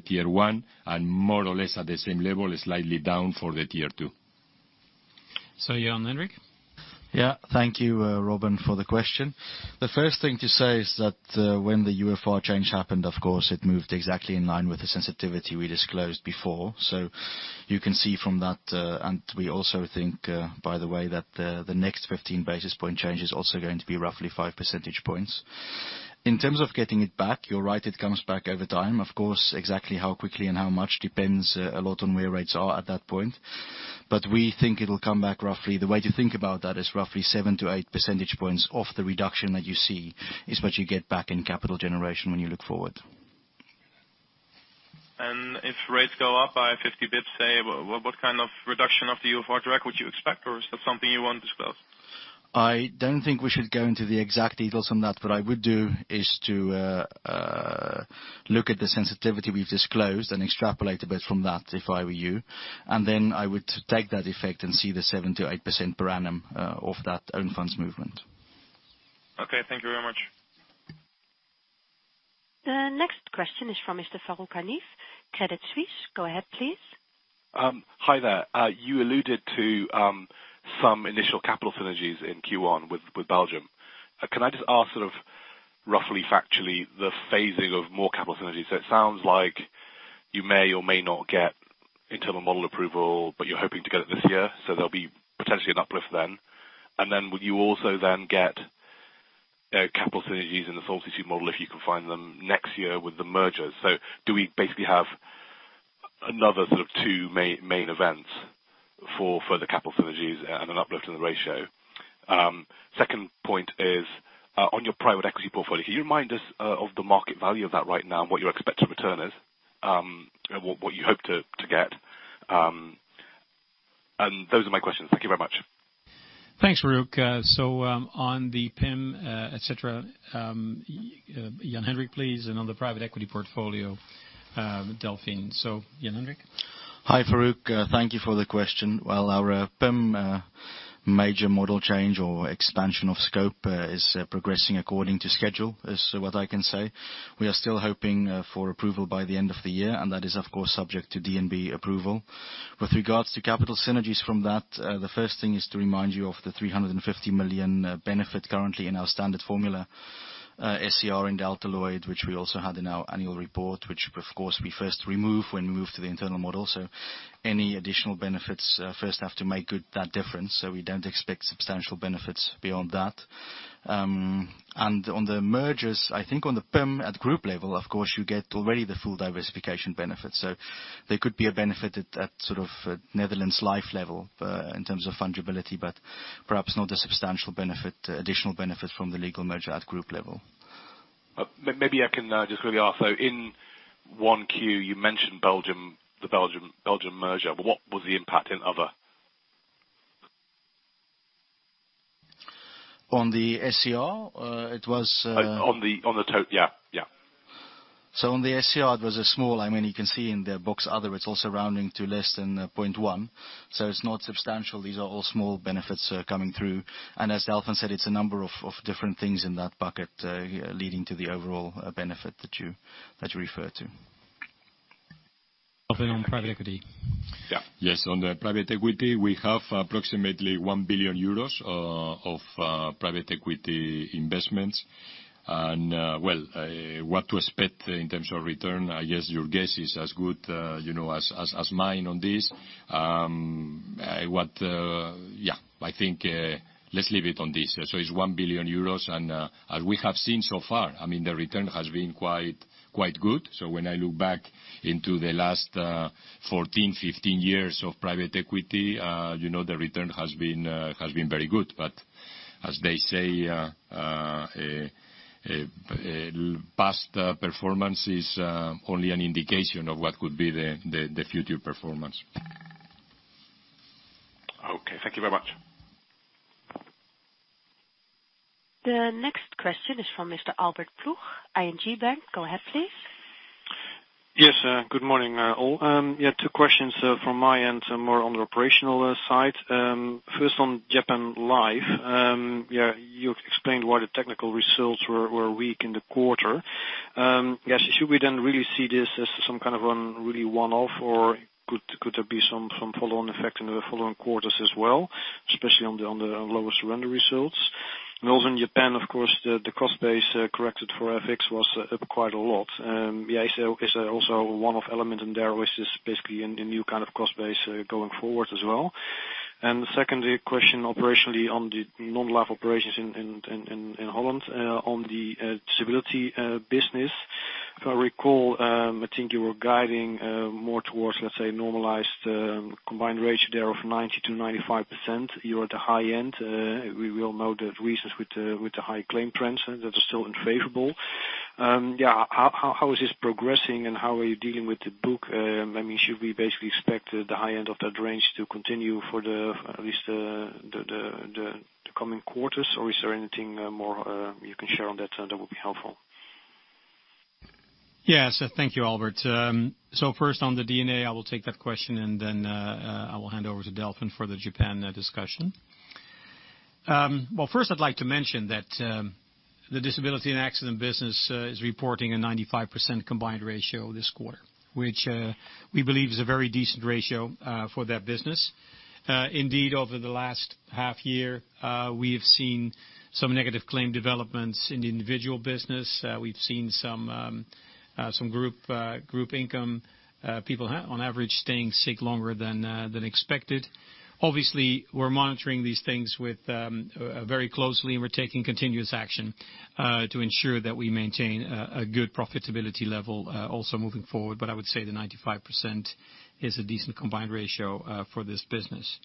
Tier 1, and more or less at the same level, slightly down for the Tier 2. Jan-Hendrik. Thank you, Robin, for the question. The first thing to say is that when the UFR change happened, of course, it moved exactly in line with the sensitivity we disclosed before. You can see from that, and we also think, by the way, that the next 15 basis point change is also going to be roughly five percentage points. In terms of getting it back, you're right, it comes back over time. Of course, exactly how quickly and how much depends a lot on where rates are at that point. We think it'll come back roughly. The way to think about that is roughly seven to eight percentage points of the reduction that you see is what you get back in capital generation when you look forward. If rates go up by 50 basis points, say, what kind of reduction of the UFR drag would you expect? Or is that something you won't disclose? I don't think we should go into the exact details on that. What I would do is to look at the sensitivity we've disclosed and extrapolate a bit from that, if I were you. Then I would take that effect and see the 7%-8% per annum of that own funds movement. Okay, thank you very much. The next question is from Mr. Farooq Hanif, Credit Suisse. Go ahead please. Hi there. You alluded to some initial capital synergies in Q1 with Belgium. Can I just ask roughly factually the phasing of more capital synergies? It sounds like you may or may not get internal model approval, but you're hoping to get it this year, so there will be potentially an uplift then. Then would you also then get capital synergies in the Solvency II model if you can find them next year with the merger? Do we basically have another two main events for the capital synergies and an uplift in the ratio? Second point is on your private equity portfolio. Can you remind us of the market value of that right now and what your expected return is? What you hope to get. Those are my questions. Thank you very much. Thanks, Farooq. On the PIM, et cetera, Jan-Hendrik, please, and on the private equity portfolio, Delfin. Jan-Hendrik. Hi, Farooq. Thank you for the question. While our PIM major model change or expansion of scope is progressing according to schedule, is what I can say, we are still hoping for approval by the end of the year, and that is, of course, subject to DNB approval. With regards to capital synergies from that, the first thing is to remind you of the 350 million benefit currently in our standard formula, SCR in Delta Lloyd, which we also had in our annual report, which of course we first remove when we move to the internal model. Any additional benefits first have to make good that difference. We don't expect substantial benefits beyond that. On the mergers, I think on the PIM at group level, of course, you get already the full diversification benefit. There could be a benefit at Netherlands Life level, in terms of fungibility, but perhaps not a substantial additional benefit from the legal merger at group level. Maybe I can just quickly ask, in 1Q, you mentioned Belgium, the Belgium merger. What was the impact in other? On the SCR? Yeah. On the SCR, it was small. You can see in the books other, it's all surrounding to less than 0.1, so it's not substantial. These are all small benefits coming through. As Delfin said, it's a number of different things in that bucket leading to the overall benefit that you referred to. Delfin on private equity. Yeah. On the private equity, we have approximately 1 billion euros of private equity investments. Well, what to expect in terms of return, I guess your guess is as good as mine on this. I think let's leave it on this. It's 1 billion euros, and as we have seen so far, the return has been quite good. When I look back into the last 14, 15 years of private equity, the return has been very good. As they say, past performance is only an indication of what could be the future performance. Thank you very much. The next question is from Mr. Albert Ploeg, ING Bank. Go ahead, please. Yes. Good morning all. Two questions from my end, more on the operational side. First on Japan Life. You explained why the technical results were weak in the quarter. Should we then really see this as some kind of really one-off, or could there be some follow-on effect in the following quarters as well, especially on the lower surrender results? Also in Japan, of course, the cost base corrected for FX was up quite a lot. Is there also a one-off element in there or is this basically a new kind of cost base going forward as well? The second question operationally on the non-life operations in Holland, on the disability business. If I recall, I think you were guiding more towards, let's say, normalized combined ratio there of 90%-95%. You are at the high end. We all know the reasons with the high claim trends that are still unfavorable. How is this progressing and how are you dealing with the book? Should we basically expect the high end of that range to continue for at least the coming quarters, or is there anything more you can share on that that would be helpful? Yes. Thank you, Albert. First on the D&A, I will take that question and then I will hand over to Delfin for the Japan discussion. First I'd like to mention that the disability and accident business is reporting a 95% combined ratio this quarter, which we believe is a very decent ratio for that business. Indeed, over the last half year, we have seen some negative claim developments in the individual business. We've seen some group income, people on average staying sick longer than expected. Obviously, we're monitoring these things very closely, and we're taking continuous action to ensure that we maintain a good profitability level also moving forward. I would say the 95% is a decent combined ratio for this business.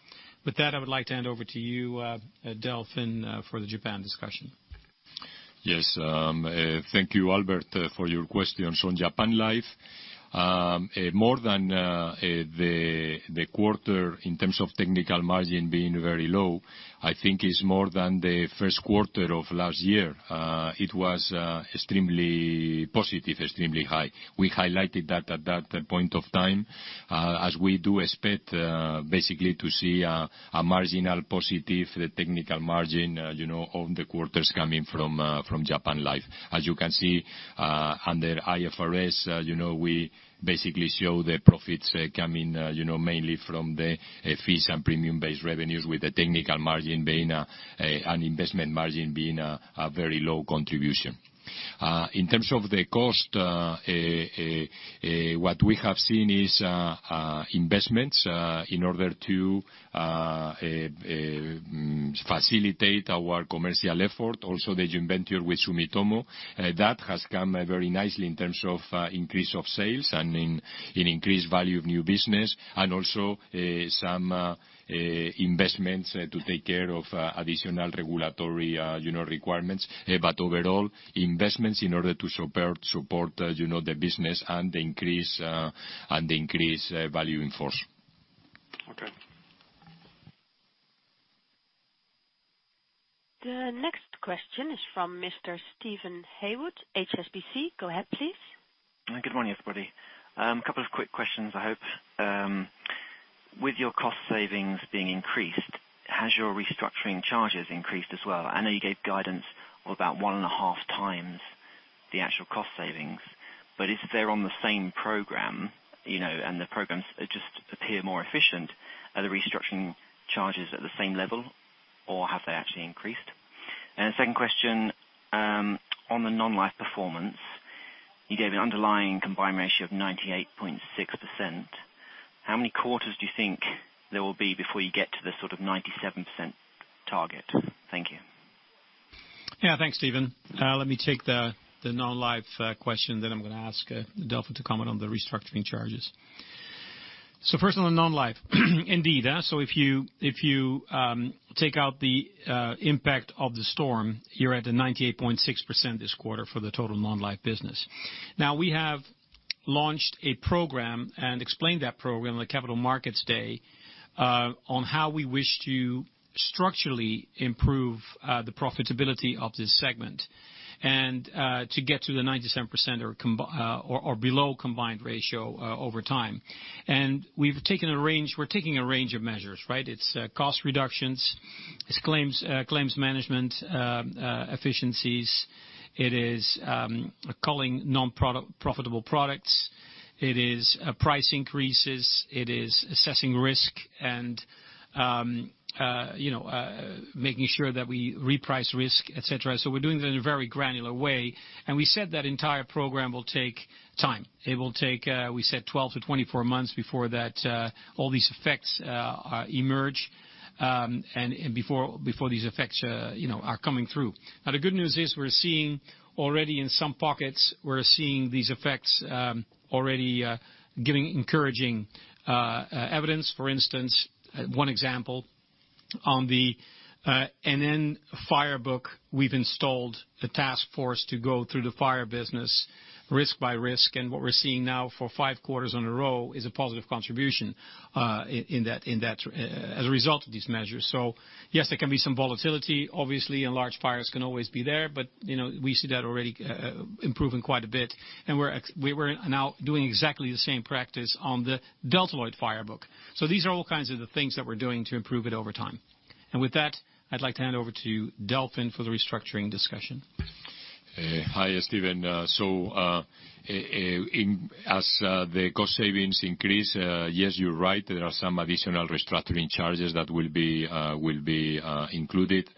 With that, I would like to hand over to you, Delfin, for the Japan discussion. Yes. Thank you, Albert, for your questions. On Japan Life, more than the quarter in terms of technical margin being very low, I think is more than the first quarter of last year. It was extremely positive, extremely high. We highlighted that at that point of time, as we do expect basically to see a marginal positive technical margin of the quarters coming from Japan Life. As you can see, under IFRS, we basically show the profits coming mainly from the fees and premium-based revenues, with the technical margin and investment margin being a very low contribution. In terms of the cost, what we have seen is investments in order to facilitate our commercial effort. Also, the joint venture with Sumitomo. That has come very nicely in terms of increase of sales and in increased value of new business, and also some investments to take care of additional regulatory requirements. Overall, investments in order to support the business and increase value in force. Okay. The next question is from Mr. Steven Haywood, HSBC. Go ahead, please. Good morning, everybody. Couple of quick questions, I hope. With your cost savings being increased, has your restructuring charges increased as well? I know you gave guidance of about one and a half times the actual cost savings, but if they're on the same program, and the programs just appear more efficient, are the restructuring charges at the same level, or have they actually increased? The second question, on the non-life performance. You gave an underlying combined ratio of 98.6%. How many quarters do you think there will be before you get to the sort of 97% target? Thank you. Thanks, Steven. Let me take the non-life question, then I'm going to ask Delfin to comment on the restructuring charges. First on non-life. Indeed, if you take out the impact of the storm, you're at the 98.6% this quarter for the total non-life business. We have launched a program and explained that program on the Capital Markets Day on how we wish to structurally improve the profitability of this segment, and to get to the 97% or below combined ratio over time. We're taking a range of measures. It's cost reductions, it's claims management efficiencies, it is culling non-profitable products. It is price increases. It is assessing risk and making sure that we reprice risk, et cetera. We're doing it in a very granular way, and we said that entire program will take time. It will take, we said, 12 to 24 months before all these effects emerge, and before these effects are coming through. The good news is, we're seeing already in some pockets, we're seeing these effects already giving encouraging evidence. For instance, one example, on the NN Fire book, we've installed a task force to go through the fire business risk by risk. What we're seeing now for five quarters in a row is a positive contribution as a result of these measures. Yes, there can be some volatility, obviously, and large fires can always be there, but we see that already improving quite a bit. We're now doing exactly the same practice on the Delta Lloyd fire book. These are all kinds of the things that we're doing to improve it over time. With that, I'd like to hand over to Delfin for the restructuring discussion. Hi, Steven. As the cost savings increase, yes, you're right. There are some additional restructuring charges that will be included.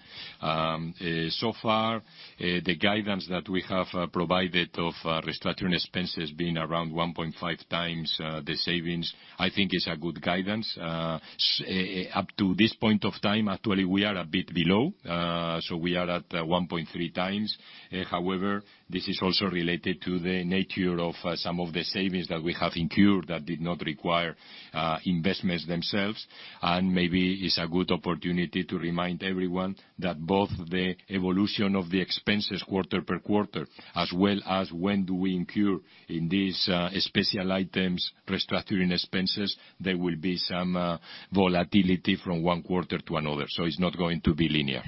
Far, the guidance that we have provided of restructuring expenses being around 1.5 times the savings, I think is a good guidance. Up to this point of time, actually, we are a bit below. We are at 1.3 times. However, this is also related to the nature of some of the savings that we have incurred that did not require investments themselves. Maybe it's a good opportunity to remind everyone that both the evolution of the expenses quarter per quarter as well as when do we incur in these special items, restructuring expenses, there will be some volatility from one quarter to another. It's not going to be linear.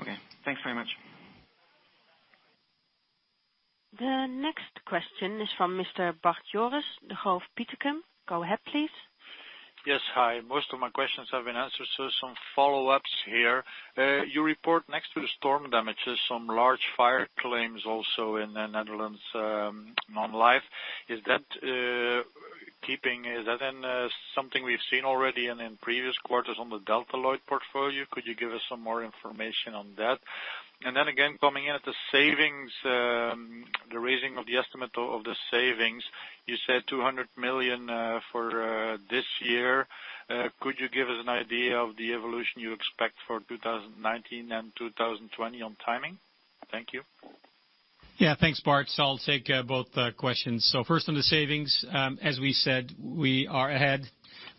Okay. Thanks very much. The next question is from Mr. Bart Jooris of Petercam. Go ahead, please. Yes. Hi. Some follow-ups here. You report next to the storm damages, some large fire claims also in the Netherlands Non-Life. Is that then something we've seen already and in previous quarters on the Delta Lloyd portfolio? Could you give us some more information on that? Then again, coming in at the savings, the raising of the estimate of the savings, you said 200 million for this year. Could you give us an idea of the evolution you expect for 2019 and 2020 on timing? Thank you. Yeah, thanks Bart Jooris. I'll take both questions. First on the savings. As we said, we are ahead.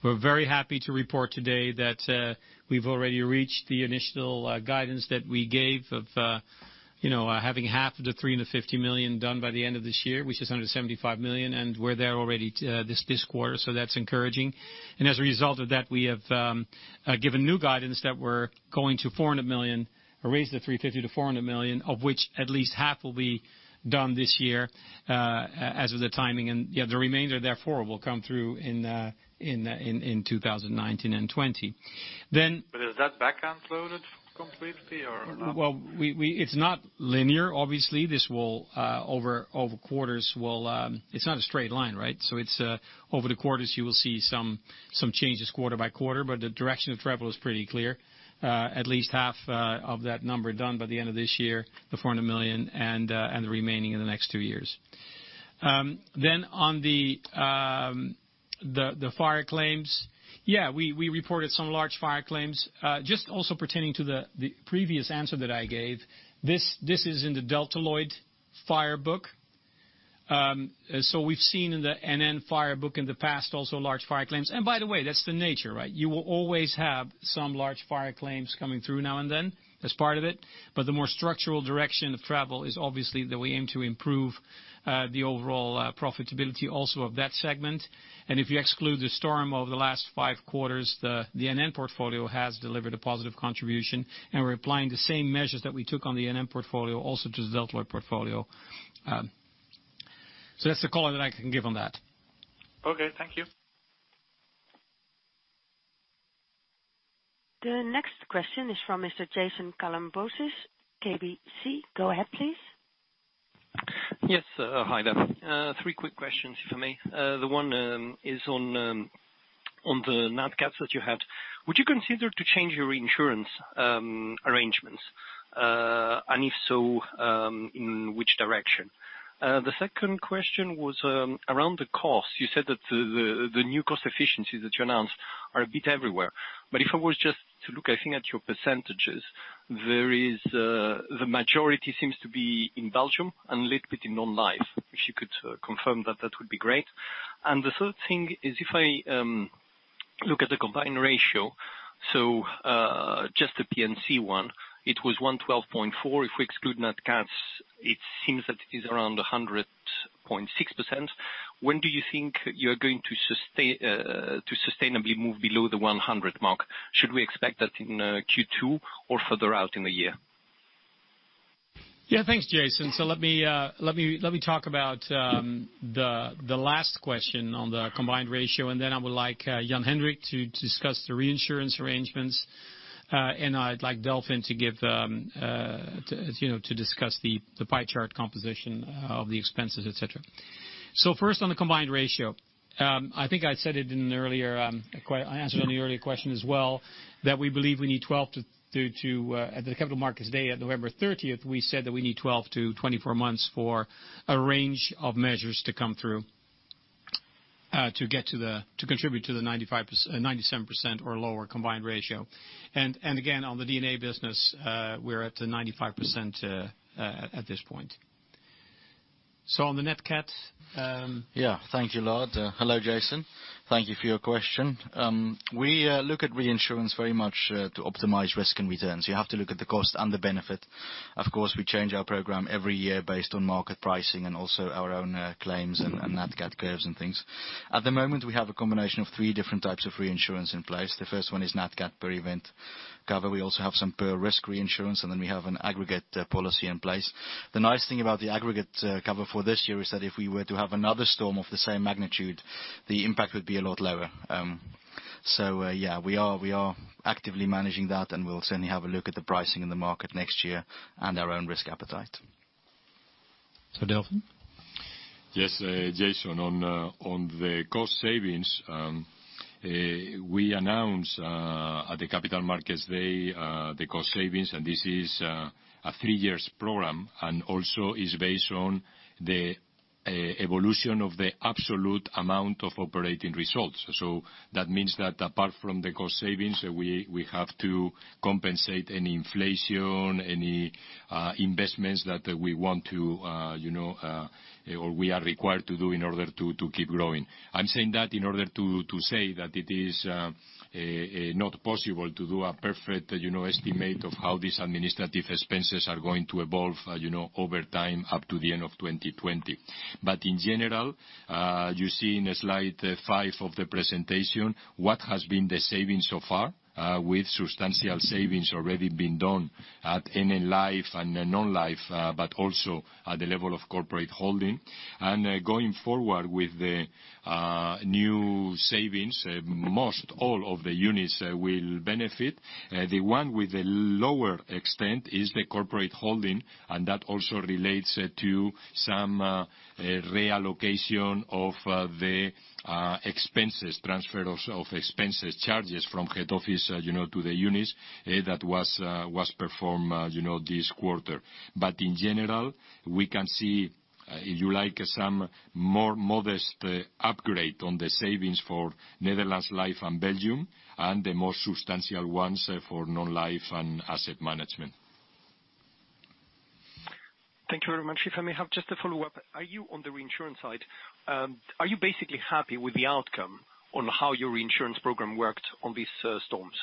We're very happy to report today that we've already reached the initial guidance that we gave of having half of the 350 million done by the end of this year, which is 175 million. We're there already this quarter, so that's encouraging. As a result of that, we have given new guidance that we're going to 400 million. Raised the 350 to 400 million of which at least half will be done this year, as of the timing. The remainder therefore will come through in 2019 and 2020. Is that back-end loaded completely or not? Well, it's not linear, obviously. It's not a straight line, right? Over the quarters you will see some changes quarter by quarter, but the direction of travel is pretty clear. At least half of that number done by the end of this year, the 400 million, and the remaining in the next two years. On the fire claims. Yeah, we reported some large fire claims. Just also pertaining to the previous answer that I gave, this is in the Delta Lloyd fire book. We've seen in the NN fire book in the past also large fire claims. By the way, that's the nature, right? You will always have some large fire claims coming through now and then as part of it. But the more structural direction of travel is obviously that we aim to improve the overall profitability also of that segment. If you exclude the storm over the last five quarters, the NN portfolio has delivered a positive contribution. We're applying the same measures that we took on the NN portfolio also to Delta Lloyd portfolio. That's the color that I can give on that. Okay. Thank you. The next question is from Mr. Jason Kalamboussis, KBC. Go ahead, please. Yes. Hi there. three quick questions if I may. The one is on the nat cats that you had. Would you consider to change your insurance arrangements? If so, in which direction? The second question was around the cost. You said that the new cost efficiencies that you announced are a bit everywhere. If I was just to look, I think at your percentages, the majority seems to be in Belgium and little bit in non-life. If you could confirm that would be great. The third thing is if I look at the combined ratio. Just the P&C one, it was 112.4. If we exclude nat cats, it seems that it is around 100.6%. When do you think you're going to sustainably move below the 100 mark? Should we expect that in Q2 or further out in the year? Yeah. Thanks, Jason. let me talk about- Yeah the last question on the combined ratio, and then I would like Jan-Hendrik to discuss the reinsurance arrangements. I'd like Delfin to discuss the pie chart composition of the expenses, et cetera. First, on the combined ratio. I think I said it in an earlier answer- On the earlier question as well, at the Capital Markets Day at November 30th, we said that we need 12 to 24 months for a range of measures to come through, to contribute to the 97% or lower combined ratio. Again, on the P&C business, we're at 95% at this point. On the Nat Cat. Yeah. Thank you, Lard. Hello, Jason. Thank you for your question. We look at reinsurance very much to optimize risk and returns. You have to look at the cost and the benefit. Of course, we change our program every year based on market pricing and also our own claims and Nat Cat curves and things. At the moment, we have a combination of three different types of reinsurance in place. The first one is nat cat per event cover. We also have some per risk reinsurance, and then we have an aggregate policy in place. The nice thing about the aggregate cover for this year is that if we were to have another storm of the same magnitude, the impact would be a lot lower. Yeah, we are actively managing that, and we'll certainly have a look at the pricing in the market next year and our own risk appetite. Delfin. Yes, Jason. On the cost savings, we announced at the Capital Markets Day, the cost savings. This is a three years program, and also is based on the evolution of the absolute amount of operating results. That means that apart from the cost savings, we have to compensate any inflation, any investments that we want to or we are required to do in order to keep growing. I am saying that in order to say that it is not possible to do a perfect estimate of how these administrative expenses are going to evolve over time up to the end of 2020. In general, you see in slide five of the presentation, what has been the saving so far, with substantial savings already being done at NN Life and Non-Life, but also at the level of corporate holding. Going forward with the new savings, most all of the units will benefit. The one with the lower extent is the corporate holding, and that also relates to some reallocation of the expenses, transfer of expenses, charges from head office to the units that was performed this quarter. In general, we can see If you like some more modest upgrade on the savings for Netherlands Life and Belgium, and the more substantial ones for Non-Life and Asset Management. Thank you very much. If I may have just a follow-up. On the reinsurance side, are you basically happy with the outcome on how your reinsurance program worked on these storms?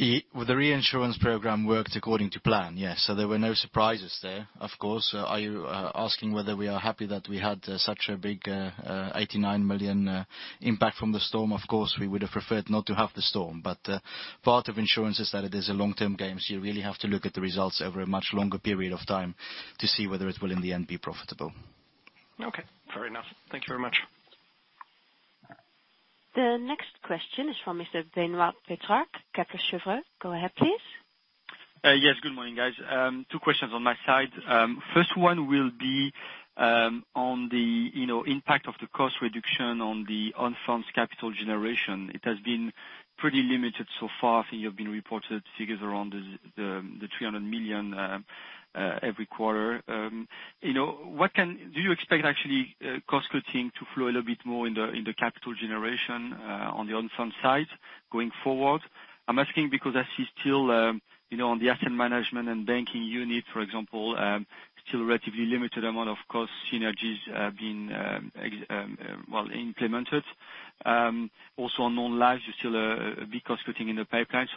The reinsurance program worked according to plan, yes. There were no surprises there, of course. Are you asking whether we are happy that we had such a big, 89 million impact from the storm? Of course, we would have preferred not to have the storm. Part of insurance is that it is a long-term game, so you really have to look at the results over a much longer period of time to see whether it will in the end be profitable. Okay. Fair enough. Thank you very much. The next question is from Mr. Benoit Petrarque, Credit Suisse. Go ahead, please. Good morning, guys. Two questions on my side. First one will be on the impact of the cost reduction on the own-funds capital generation. It has been pretty limited so far. I think you've been reporting figures around the 300 million every quarter. Do you expect, actually, cost-cutting to flow a little bit more in the capital generation on the own-fund side going forward? I'm asking because I see still, on the asset management and banking unit, for example, still relatively limited amount of cost synergies being well implemented. Also on Non-Life, you still a big cost-cutting in the pipeline.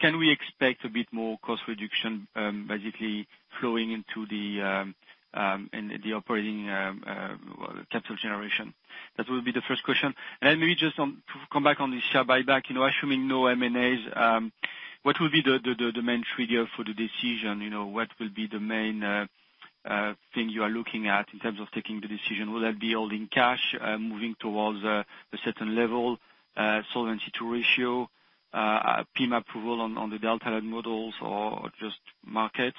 Can we expect a bit more cost reduction, basically flowing into the operating capital generation? That will be the first question. Maybe just to come back on the share buyback. Assuming no M&As, what will be the main trigger for the decision? What will be the main thing you are looking at in terms of taking the decision? Will that be all in cash, moving towards a certain level, solvency ratio, PIM approval on the Delta models or just markets?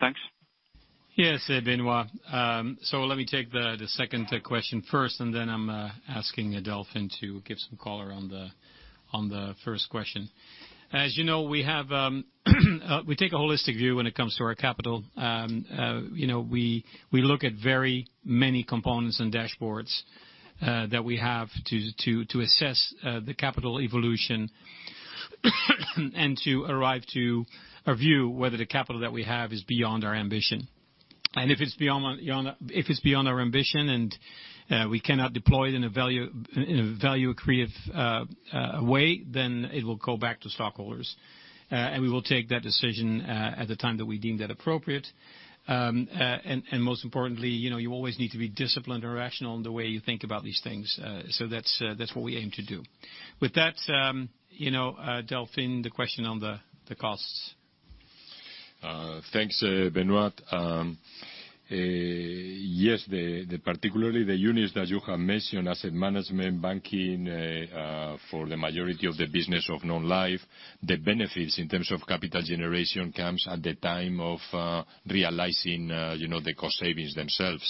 Thanks. Yes, Benoit. Let me take the second question first, then I'm asking Delfin to give some color on the first question. As you know, we take a holistic view when it comes to our capital. We look at very many components and dashboards that we have to assess the capital evolution and to arrive to a view whether the capital that we have is beyond our ambition. If it's beyond our ambition and we cannot deploy it in a value-accretive way, then it will go back to stockholders. We will take that decision at the time that we deem that appropriate. Most importantly, you always need to be disciplined and rational in the way you think about these things. That's what we aim to do. With that, Delfin, the question on the costs. Thanks, Benoit. Yes, particularly the units that you have mentioned, asset management, banking, for the majority of the business of Non-Life, the benefits in terms of capital generation comes at the time of realizing the cost savings themselves.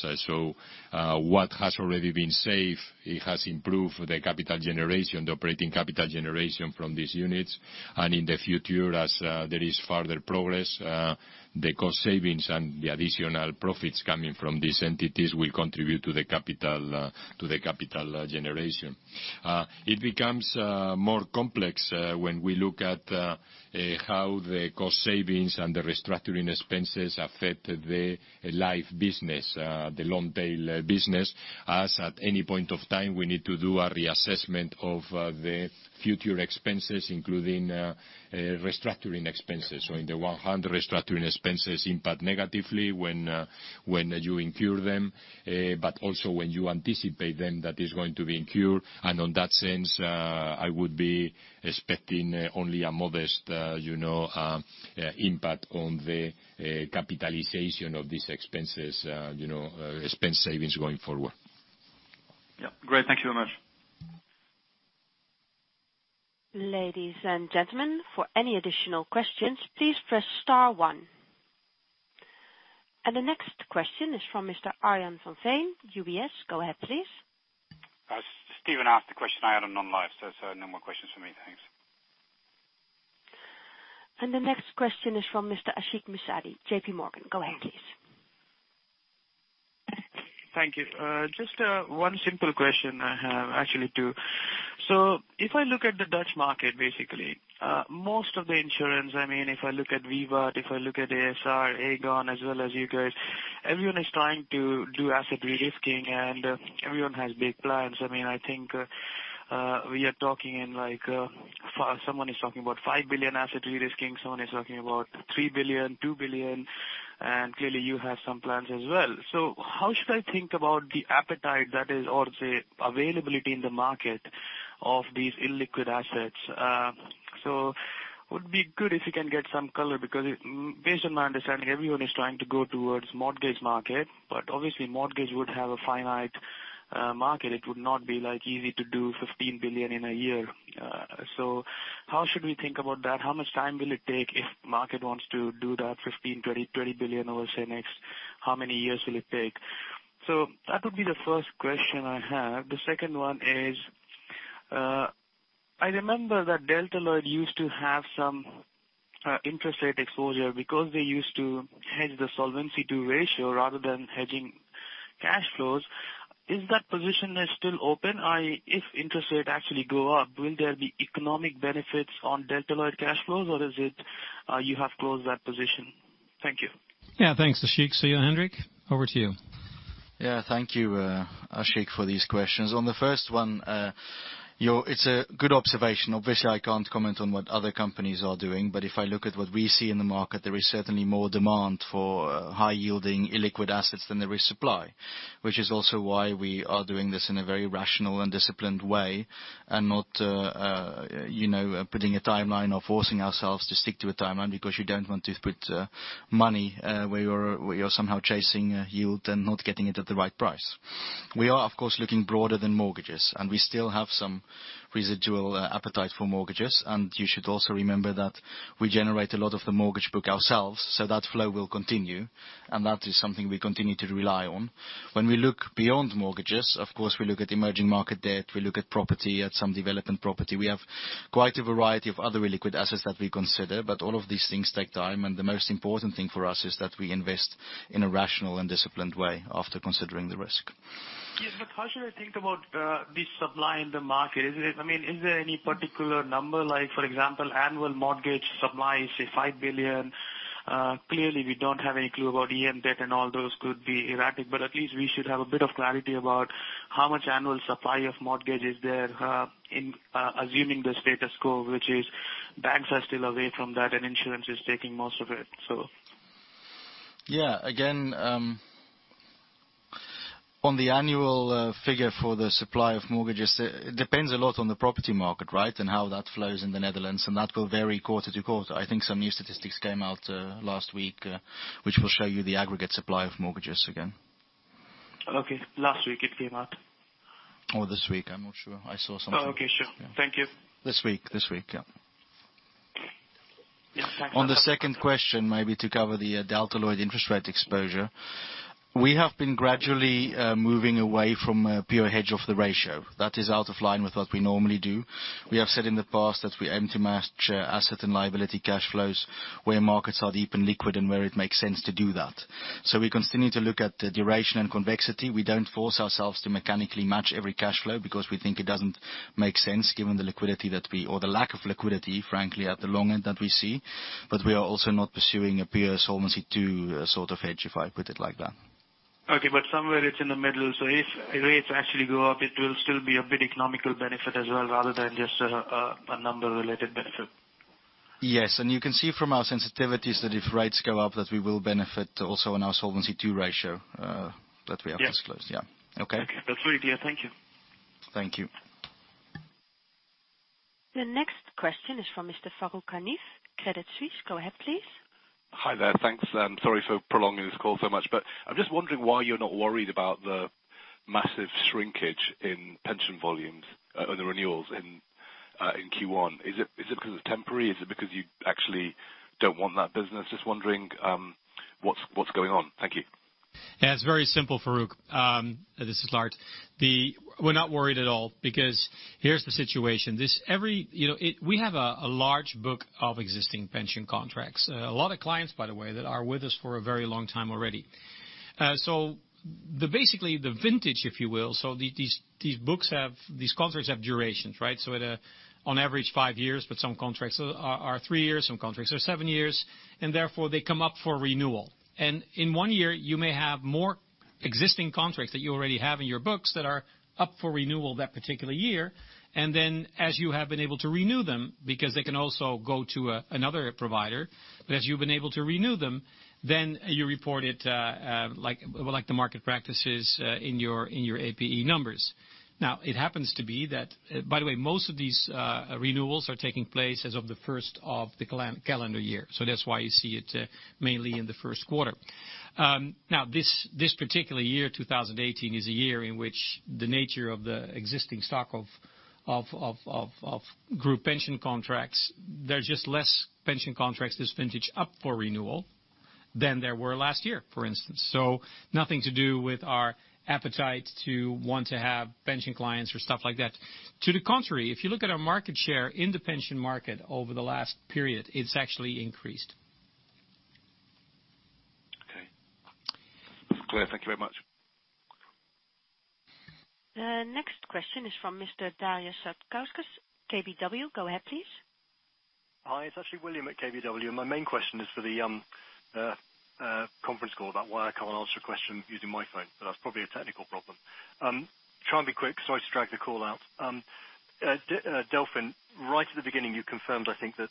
What has already been saved, it has improved the capital generation, the operating capital generation from these units. In the future, as there is further progress, the cost savings and the additional profits coming from these entities will contribute to the capital generation. It becomes more complex when we look at how the cost savings and the restructuring expenses affect the Life business, the long-tail business, as at any point of time, we need to do a reassessment of the future expenses, including restructuring expenses. In the one hand, restructuring expenses impact negatively when you incur them, but also when you anticipate them that is going to be incurred. On that sense, I would be expecting only a modest impact on the capitalization of these expense savings going forward. Yeah, great. Thank you very much. Ladies and gentlemen, for any additional questions, please press star one. The next question is from Mr. Arjan van Veen, UBS. Go ahead, please. As Steven asked the question, I had on Non-Life, so no more questions for me. Thanks. The next question is from Mr. Ashik Musaddi, JPMorgan. Go ahead, please. Thank you. Just one simple question I have. Actually, two. If I look at the Dutch market, basically, most of the insurance, if I look at VIVAT, if I look at ASR, Aegon, as well as you guys, everyone is trying to do asset de-risking, and everyone has big plans. I think someone is talking about 5 billion asset de-risking, someone is talking about 3 billion, 2 billion, and clearly, you have some plans as well. How should I think about the appetite that is, or say, availability in the market of these illiquid assets? Would be good if you can get some color, because based on my understanding, everyone is trying to go towards mortgage market, but obviously mortgage would have a finite market. It would not be easy to do 15 billion in a year. How should we think about that? How much time will it take if market wants to do that 15 billion, 20 billion over, say next, how many years will it take? That would be the first question I have. The second one is. I remember that Delta Lloyd used to have some interest rate exposure because they used to hedge the Solvency II ratio rather than hedging cash flows. Is that position still open? If interest rates actually go up, will there be economic benefits on Delta Lloyd cash flows, or you have closed that position? Thank you. Yeah, thanks, Ashik. Hendrik, over to you. Thank you, Ashik Musaddi, for these questions. On the first one, it's a good observation. Obviously, I can't comment on what other companies are doing. If I look at what we see in the market, there is certainly more demand for high-yielding illiquid assets than there is supply, which is also why we are doing this in a very rational and disciplined way and not putting a timeline or forcing ourselves to stick to a timeline because you don't want to put money where you're somehow chasing yield and not getting it at the right price. We are, of course, looking broader than mortgages, and we still have some residual appetite for mortgages. You should also remember that we generate a lot of the mortgage book ourselves, so that flow will continue, and that is something we continue to rely on. When we look beyond mortgages, of course, we look at emerging market debt, we look at property, at some development property. We have quite a variety of other illiquid assets that we consider, all of these things take time, and the most important thing for us is that we invest in a rational and disciplined way after considering the risk. Yes. How should I think about the supply in the market? Is there any particular number, like for example, annual mortgage supply, say, 5 billion? Clearly, we don't have any clue about EM debt and all those could be erratic, at least we should have a bit of clarity about how much annual supply of mortgage is there, assuming the status quo, which is banks are still away from that and insurance is taking most of it. Again, on the annual figure for the supply of mortgages, it depends a lot on the property market, how that flows in the Netherlands, that will vary quarter to quarter. I think some new statistics came out last week which will show you the aggregate supply of mortgages again. Okay. Last week it came out. This week. I'm not sure. I saw something. Okay, sure. Thank you. This week, yeah. Yes, thanks. On the second question, maybe to cover the Delta Lloyd interest rate exposure. We have been gradually moving away from a pure hedge of the ratio. That is out of line with what we normally do. We have said in the past that we aim to match asset and liability cash flows where markets are deep and liquid and where it makes sense to do that. We continue to look at the duration and convexity. We don't force ourselves to mechanically match every cash flow because we think it doesn't make sense given the lack of liquidity, frankly, at the long end that we see. We are also not pursuing a pure Solvency II sort of hedge, if I put it like that. Okay. Somewhere it's in the middle. If rates actually go up, it will still be a big economical benefit as well, rather than just a number related benefit. Yes. You can see from our sensitivities that if rates go up, that we will benefit also in our Solvency II ratio that we have disclosed. Yeah. Okay? That's very clear. Thank you. Thank you. The next question is from Mr. Farooq Hanif, Credit Suisse. Go ahead, please. Hi there. Thanks. Sorry for prolonging this call so much. I'm just wondering why you're not worried about the massive shrinkage in pension volumes on the renewals in Q1. Is it because it's temporary? Is it because you actually don't want that business? Just wondering what's going on. Thank you. It's very simple, Farooq. This is Lard. We're not worried at all because here's the situation. We have a large book of existing pension contracts. A lot of clients, by the way, that are with us for a very long time already. Basically, the vintage, if you will, these contracts have durations, right? At a on average five years, but some contracts are three years, some contracts are seven years, and therefore they come up for renewal. In one year, you may have more existing contracts that you already have in your books that are up for renewal that particular year. As you have been able to renew them, because they can also go to another provider, but as you've been able to renew them, then you report it like the market practice is in your APE numbers. By the way, most of these renewals are taking place as of the first of the calendar year. That's why you see it mainly in the first quarter. This particular year, 2018, is a year in which the nature of the existing stock of group pension contracts, there are just less pension contracts, this vintage up for renewal than there were last year, for instance. Nothing to do with our appetite to want to have pension clients or stuff like that. To the contrary, if you look at our market share in the pension market over the last period, it's actually increased. Okay. Thank you very much. The next question is from Mr. Daria Sotkovskis, KBW. Go ahead, please. Hi, it's actually William at KBW, my main question is for the conference call about why I can't answer a question using my phone. That's probably a technical problem. Try and be quick, sorry to drag the call out. Delfin, right at the beginning, you confirmed, I think, that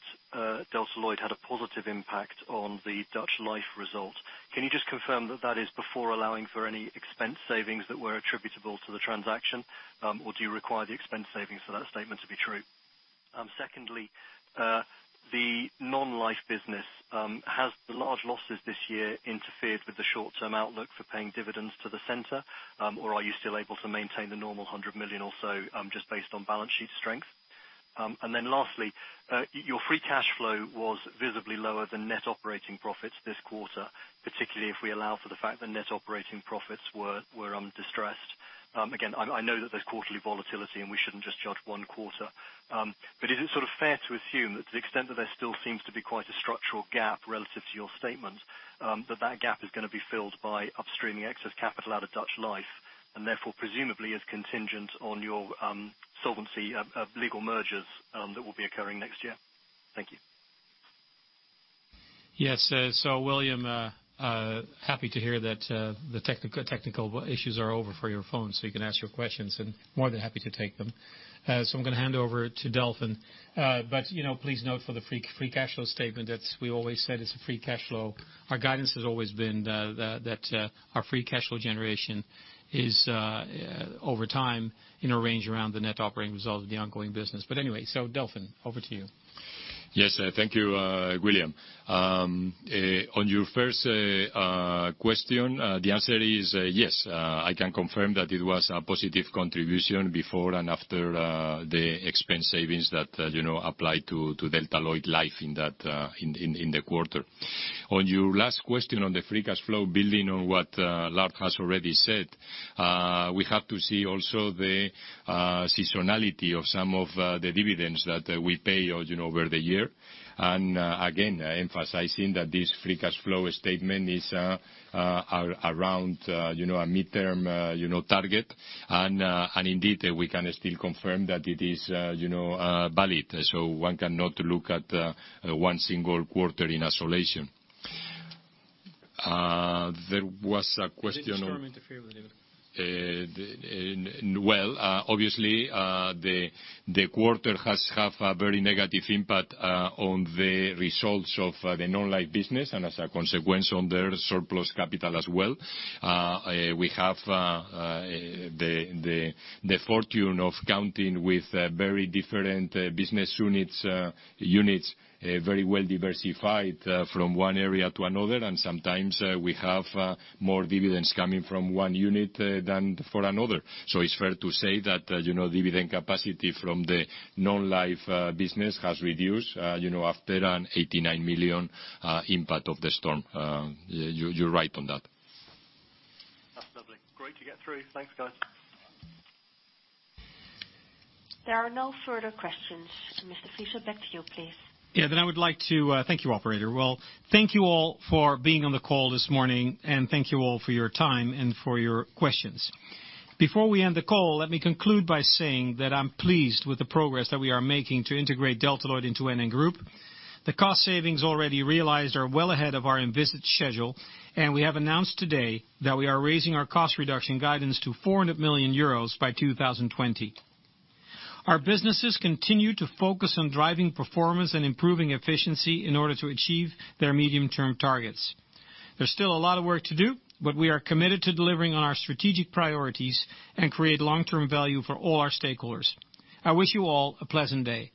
Delta Lloyd had a positive impact on the Dutch Life result. Can you just confirm that that is before allowing for any expense savings that were attributable to the transaction? Do you require the expense savings for that statement to be true? Secondly, the non-life business. Has the large losses this year interfered with the short-term outlook for paying dividends to the center? Are you still able to maintain the normal 100 million or so, just based on balance sheet strength? Lastly, your free cash flow was visibly lower than net operating profits this quarter, particularly if we allow for the fact that net operating profits were distressed. Again, I know that there's quarterly volatility, and we shouldn't just judge one quarter. Is it fair to assume that to the extent that there still seems to be quite a structural gap relative to your statement, that gap is going to be filled by upstreaming excess capital out of Dutch Life and therefore presumably is contingent on your solvency of legal mergers that will be occurring next year? Thank you. Yes. William, happy to hear that the technical issues are over for your phone, so you can ask your questions, and more than happy to take them. I'm going to hand over to Delfin. Please note for the free cash flow statement that we always said it's a free cash flow. Our guidance has always been that our free cash flow generation is over time in a range around the net operating result of the ongoing business. Anyway. Delfin, over to you. Yes. Thank you, William. On your first question, the answer is yes. I can confirm that it was a positive contribution before and after the expense savings that applied to Delta Lloyd Life in the quarter. On your last question on the free cash flow, building on what Lard has already said, we have to see also the seasonality of some of the dividends that we pay over the year. Again, emphasizing that this free cash flow statement is around a midterm target. Indeed, we can still confirm that it is valid. One cannot look at one single quarter in isolation. There was a question on- Did the storm interfere with the dividend? Obviously, the quarter has had a very negative impact on the results of the non-life business and as a consequence on their surplus capital as well. We have the fortune of counting with very different business units, very well diversified from one area to another, and sometimes we have more dividends coming from one unit than for another. It's fair to say that dividend capacity from the non-life business has reduced after an 89 million impact of the storm. You're right on that. That's lovely. Great to get through. Thanks, guys. There are no further questions. Mr. Friese, back to you, please. Yeah. Thank you, operator. Thank you all for being on the call this morning, and thank you all for your time and for your questions. Before we end the call, let me conclude by saying that I'm pleased with the progress that we are making to integrate Delta Lloyd into NN Group. The cost savings already realized are well ahead of our envisaged schedule, and we have announced today that we are raising our cost reduction guidance to 400 million euros by 2020. Our businesses continue to focus on driving performance and improving efficiency in order to achieve their medium-term targets. There's still a lot of work to do, but we are committed to delivering on our strategic priorities and create long-term value for all our stakeholders. I wish you all a pleasant day.